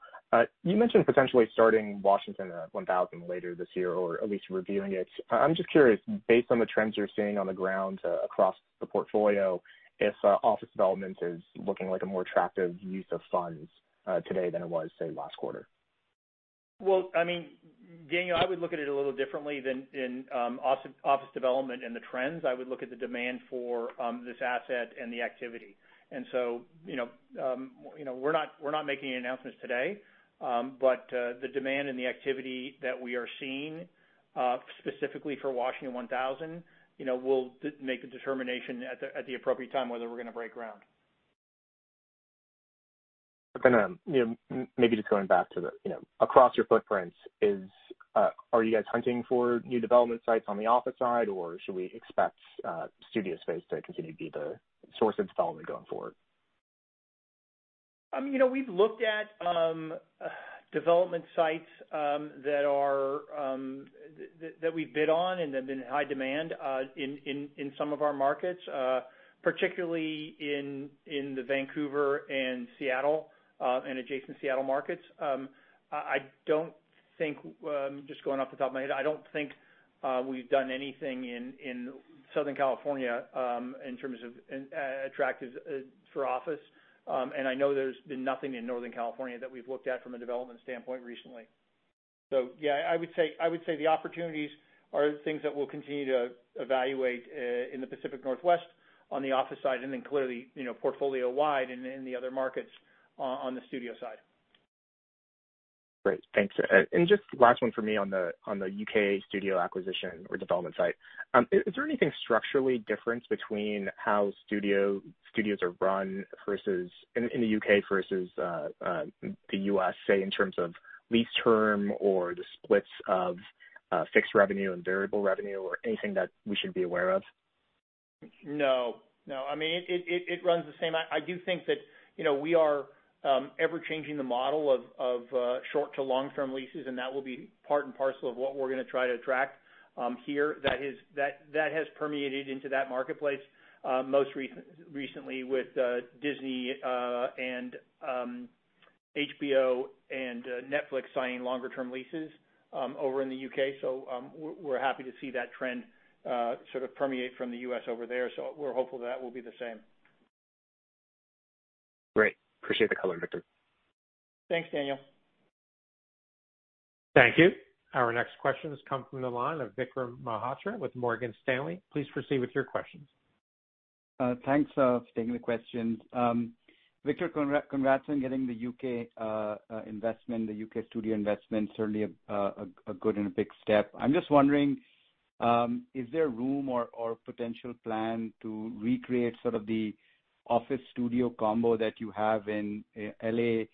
[SPEAKER 16] You mentioned potentially starting Washington 1000 later this year, or at least reviewing it. I'm just curious, based on the trends you're seeing on the ground across the portfolio, if office development is looking like a more attractive use of funds today than it was, say, last quarter.
[SPEAKER 3] Well, Daniel, I would look at it a little differently than in office development and the trends. I would look at the demand for this asset and the activity. We're not making any announcements today. The demand and the activity that we are seeing, specifically for Washington 1000, we'll make a determination at the appropriate time whether we're going to break ground.
[SPEAKER 16] Maybe just going back to the across your footprints, are you guys hunting for new development sites on the office side, or should we expect studio space to continue to be the source of development going forward?
[SPEAKER 3] We've looked at development sites that we bid on and have been in high demand in some of our markets, particularly in the Vancouver and Seattle, and adjacent Seattle markets. Just going off the top of my head, I don't think we've done anything in Southern California in terms of attractive for office. I know there's been nothing in Northern California that we've looked at from a development standpoint recently. Yeah, I would say the opportunities are things that we'll continue to evaluate in the Pacific Northwest on the office side, and then clearly, portfolio-wide in the other markets on the studio side.
[SPEAKER 16] Great. Thanks. Just last one for me on the U.K. studio acquisition or development site. Is there anything structurally different between how studios are run in the U.K. versus the U.S., say in terms of lease term or the splits of fixed revenue and variable revenue or anything that we should be aware of?
[SPEAKER 3] No. It runs the same. I do think that we are ever-changing the model of short to long-term leases, and that will be part and parcel of what we're going to try to attract here. That has permeated into that marketplace, most recently with Disney and HBO and Netflix signing longer-term leases over in the U.K. We're happy to see that trend sort of permeate from the U.S. over there. We're hopeful that will be the same.
[SPEAKER 16] Great. Appreciate the color, Victor.
[SPEAKER 3] Thanks, Daniel.
[SPEAKER 1] Thank you. Our next question comes from the line of Vikram Malhotra with Morgan Stanley. Please proceed with your questions.
[SPEAKER 17] Thanks for taking the questions. Victor, congrats on getting the U.K. investment, the U.K. studio investment. Certainly a good and a big step. I'm just wondering, is there room or potential plan to recreate sort of the office studio combo that you have in L.A.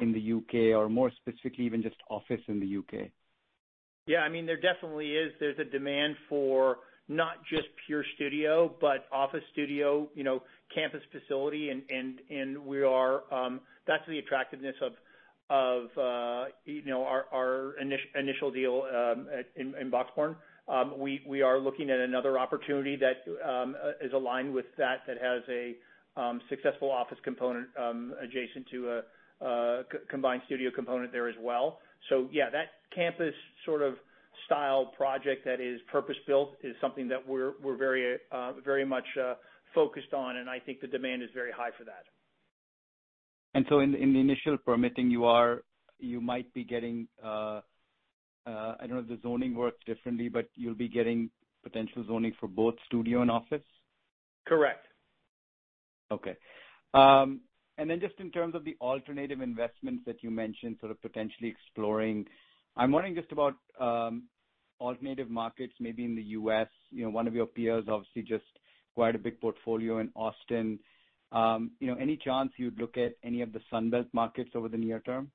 [SPEAKER 17] in the U.K., or more specifically, even just office in the U.K.?
[SPEAKER 3] There definitely is. There's a demand for not just pure studio, but office studio, campus facility, and that's the attractiveness of our initial deal in Broxbourne. We are looking at another opportunity that is aligned with that has a successful office component adjacent to a combined studio component there as well. That campus sort of style project that is purpose-built is something that we're very much focused on, and I think the demand is very high for that.
[SPEAKER 17] In the initial permitting, you might be getting, I don't know if the zoning works differently, but you'll be getting potential zoning for both studio and office?
[SPEAKER 3] Correct.
[SPEAKER 17] Okay. Just in terms of the alternative investments that you mentioned sort of potentially exploring, I'm wondering just about alternative markets, maybe in the U.S. One of your peers obviously just acquired a big portfolio in Austin. Any chance you'd look at any of the Sun Belt markets over the near term?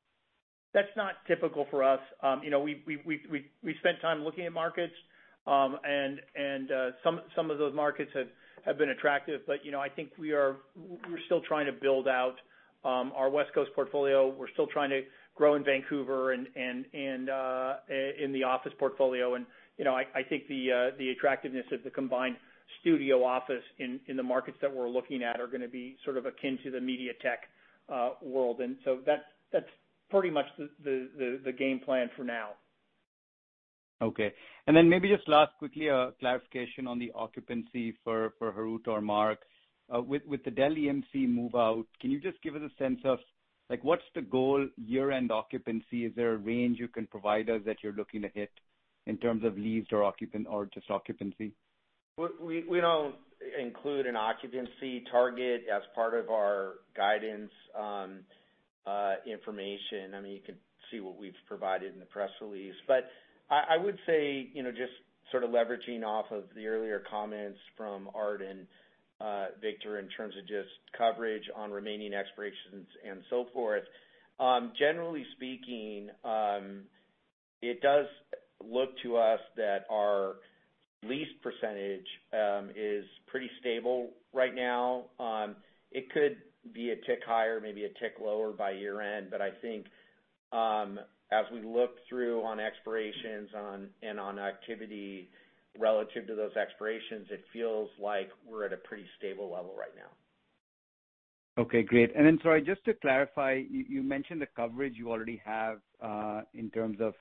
[SPEAKER 3] That's not typical for us. We've spent time looking at markets, and some of those markets have been attractive, but I think we're still trying to build out our West Coast portfolio. We're still trying to grow in Vancouver and in the office portfolio. I think the attractiveness of the combined studio office in the markets that we're looking at are going to be sort of akin to the media tech world. That's pretty much the game plan for now.
[SPEAKER 17] Okay. Maybe just last quickly, a clarification on the occupancy for Harout or Mark. With the Dell EMC move-out, can you just give us a sense of what's the goal year-end occupancy? Is there a range you can provide us that you're looking to hit in terms of leased or just occupancy?
[SPEAKER 4] We don't include an occupancy target as part of our guidance information. You can see what we've provided in the press release. I would say, just sort of leveraging off of the earlier comments from Art and Victor in terms of just coverage on remaining expirations and so forth. Generally speaking, it does look to us that our lease percentage is pretty stable right now. It could be a tick higher, maybe a tick lower by year-end. I think as we look through on expirations and on activity relative to those expirations, it feels like we're at a pretty stable level right now.
[SPEAKER 17] Okay, great. Sorry, just to clarify, you mentioned the coverage you already have in terms of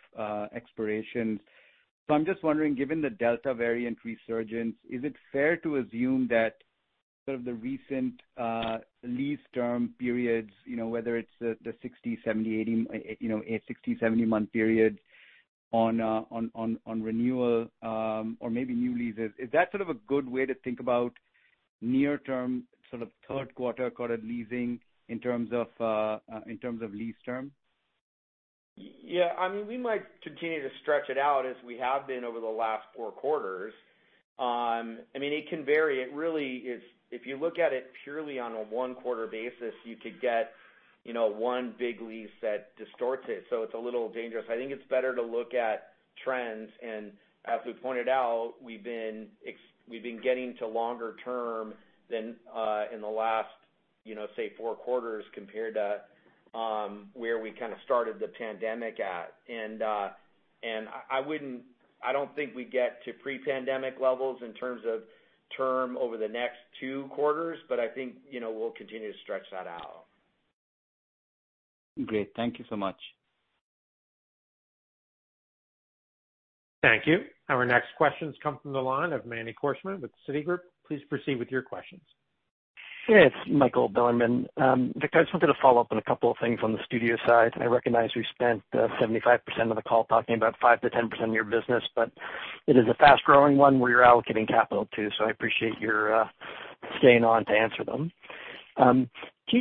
[SPEAKER 17] expirations. I'm just wondering, given the Delta variant resurgence, is it fair to assume that sort of the recent lease term periods, whether it's the 60, 70, 80-month periods on renewal or maybe new leases, is that sort of a good way to think about near-term sort of third quarter credit leasing in terms of lease term?
[SPEAKER 4] Yeah, we might continue to stretch it out as we have been over the last four quarters. It can vary. If you look at it purely on a one-quarter basis, you could get one big lease that distorts it. It's a little dangerous. I think it's better to look at trends, and as we pointed out, we've been getting to longer term than in the last say four quarters compared to where we kind of started the pandemic at. I don't think we get to pre-pandemic levels in terms of term over the next two quarters, but I think we'll continue to stretch that out.
[SPEAKER 17] Great. Thank you so much.
[SPEAKER 1] Thank you. Our next question comes from the line of Manny Korchman with Citigroup. Please proceed with your questions.
[SPEAKER 18] It's Michael Bilerman. Victor, I just wanted to follow up on a couple of things on the studio side. I recognize we've spent 75% of the call talking about 5%-10% of your business, but it is a fast-growing one where you're allocating capital too, so I appreciate your staying on to answer them. Can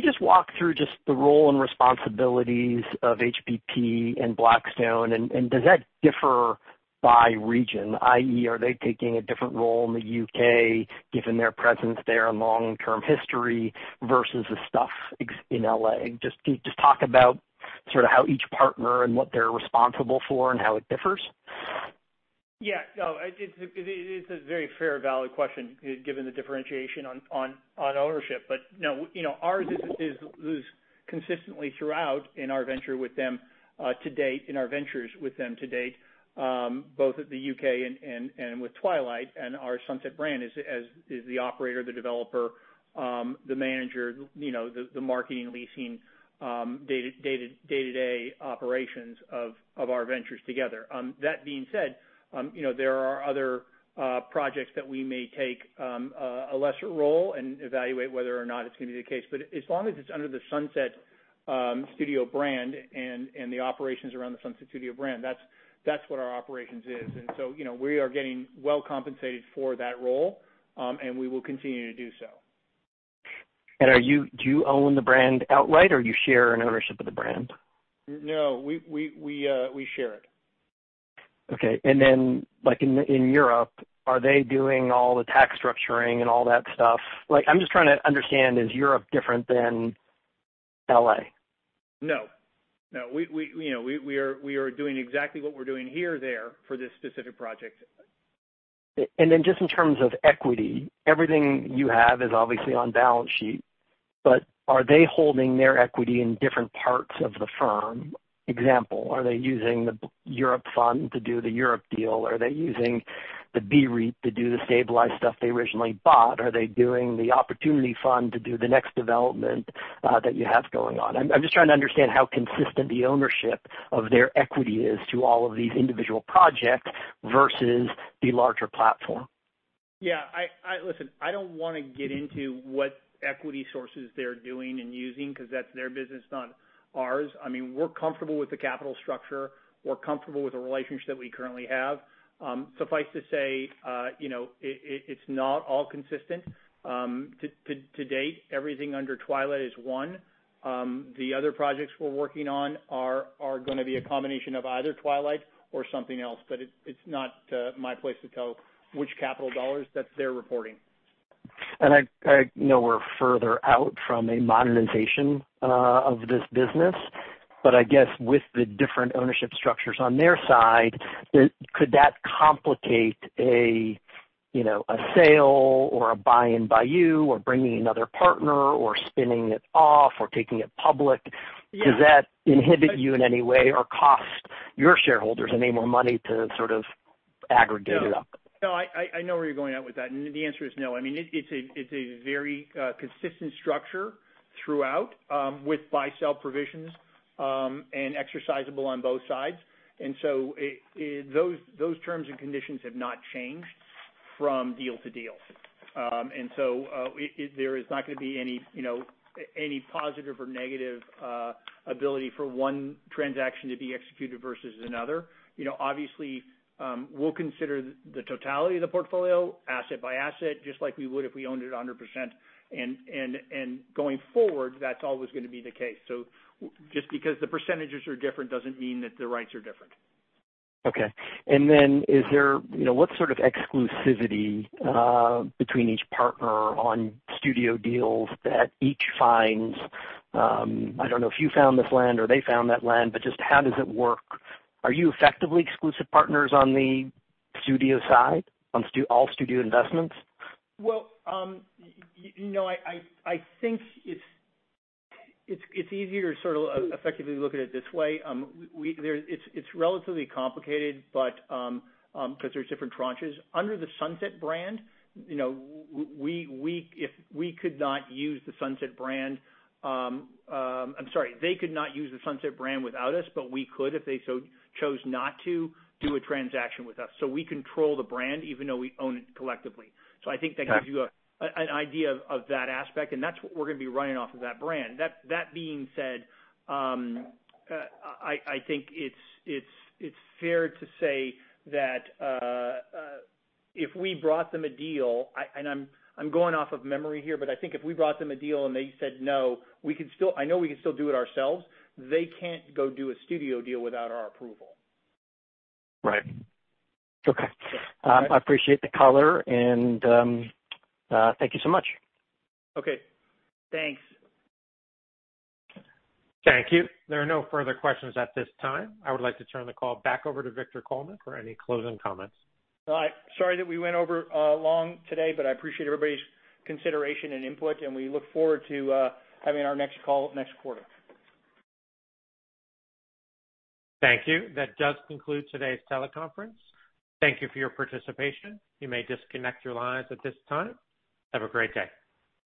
[SPEAKER 18] you just walk through just the role and responsibilities of HPP and Blackstone, and does that differ by region, i.e., are they taking a different role in the U.K. given their presence there and long-term history versus the stuff in L.A.? Just talk about sort of how each partner and what they're responsible for and how it differs.
[SPEAKER 3] Yeah. No, it's a very fair, valid question given the differentiation on ownership. No, ours is consistently throughout in our venture with them to date, in our ventures with them to date, both at the U.K. and with Twilight and our Sunset Studios brand is the operator, the developer, the manager, the marketing, leasing, day-to-day operations of our ventures together. That being said, there are other projects that we may take a lesser role and evaluate whether or not it's going to be the case. As long as it's under the Sunset Studios brand and the operations are under the Sunset Studios brand, that's what our operations is. We are getting well compensated for that role, and we will continue to do so.
[SPEAKER 18] Do you own the brand outright, or you share in ownership of the brand?
[SPEAKER 3] No, we share it.
[SPEAKER 18] Okay. Like in Europe, are they doing all the tax structuring and all that stuff? I'm just trying to understand, is Europe different than L.A.?
[SPEAKER 3] No. We are doing exactly what we're doing here, there for this specific project.
[SPEAKER 18] Then just in terms of equity, everything you have is obviously on balance sheet, but are they holding their equity in different parts of the firm? Example, are they using the Europe fund to do the Europe deal? Are they using the BREIT to do the stabilized stuff they originally bought? Are they doing the opportunity fund to do the next development that you have going on? I'm just trying to understand how consistent the ownership of their equity is to all of these individual projects versus the larger platform.
[SPEAKER 3] Yeah. Listen, I don't want to get into what equity sources they're doing and using because that's their business, not ours. We're comfortable with the capital structure. We're comfortable with the relationship that we currently have. Suffice to say, it's not all consistent. To date, everything under Twilight is one. The other projects we're working on are going to be a combination of either Twilight or something else. It's not my place to tell which capital dollars. That's their reporting.
[SPEAKER 18] I know we're further out from a monetization of this business, but I guess with the different ownership structures on their side, could that complicate a sale or a buy-in by you or bringing another partner or spinning it off or taking it public?
[SPEAKER 3] Yeah.
[SPEAKER 18] Does that inhibit you in any way or cost your shareholders any more money to sort of aggregate it up?
[SPEAKER 3] No. I know where you're going at with that, and the answer is no. It's a very consistent structure throughout with buy-sell provisions and exercisable on both sides. Those terms and conditions have not changed from deal to deal. There is not going to be any positive or negative ability for one transaction to be executed versus another. Obviously, we'll consider the totality of the portfolio asset by asset, just like we would if we owned it 100%. Going forward, that's always going to be the case. Just because the percentages are different doesn't mean that the rights are different.
[SPEAKER 18] Okay. What sort of exclusivity between each partner on studio deals that each finds? I don't know if you found this land or they found that land, but just how does it work? Are you effectively exclusive partners on the studio side, on all studio investments?
[SPEAKER 3] Well, I think it's easier to sort of effectively look at it this way. It's relatively complicated because there's different tranches. Under the Sunset brand, I'm sorry, they could not use the Sunset brand without us, but we could if they so chose not to do a transaction with us. We control the brand even though we own it collectively. I think that gives you an idea of that aspect, and that's what we're going to be running off of that brand. That being said, I think it's fair to say that if we brought them a deal, and I'm going off of memory here, but I think if we brought them a deal and they said no, I know we could still do it ourselves. They can't go do a studio deal without our approval.
[SPEAKER 18] Right. Okay. I appreciate the color, and thank you so much.
[SPEAKER 3] Okay. Thanks.
[SPEAKER 1] Thank you. There are no further questions at this time. I would like to turn the call back over to Victor Coleman for any closing comments.
[SPEAKER 3] All right. Sorry that we went over long today, but I appreciate everybody's consideration and input, and we look forward to having our next call next quarter.
[SPEAKER 1] Thank you. That does conclude today's teleconference. Thank you for your participation. You may disconnect your lines at this time. Have a great day.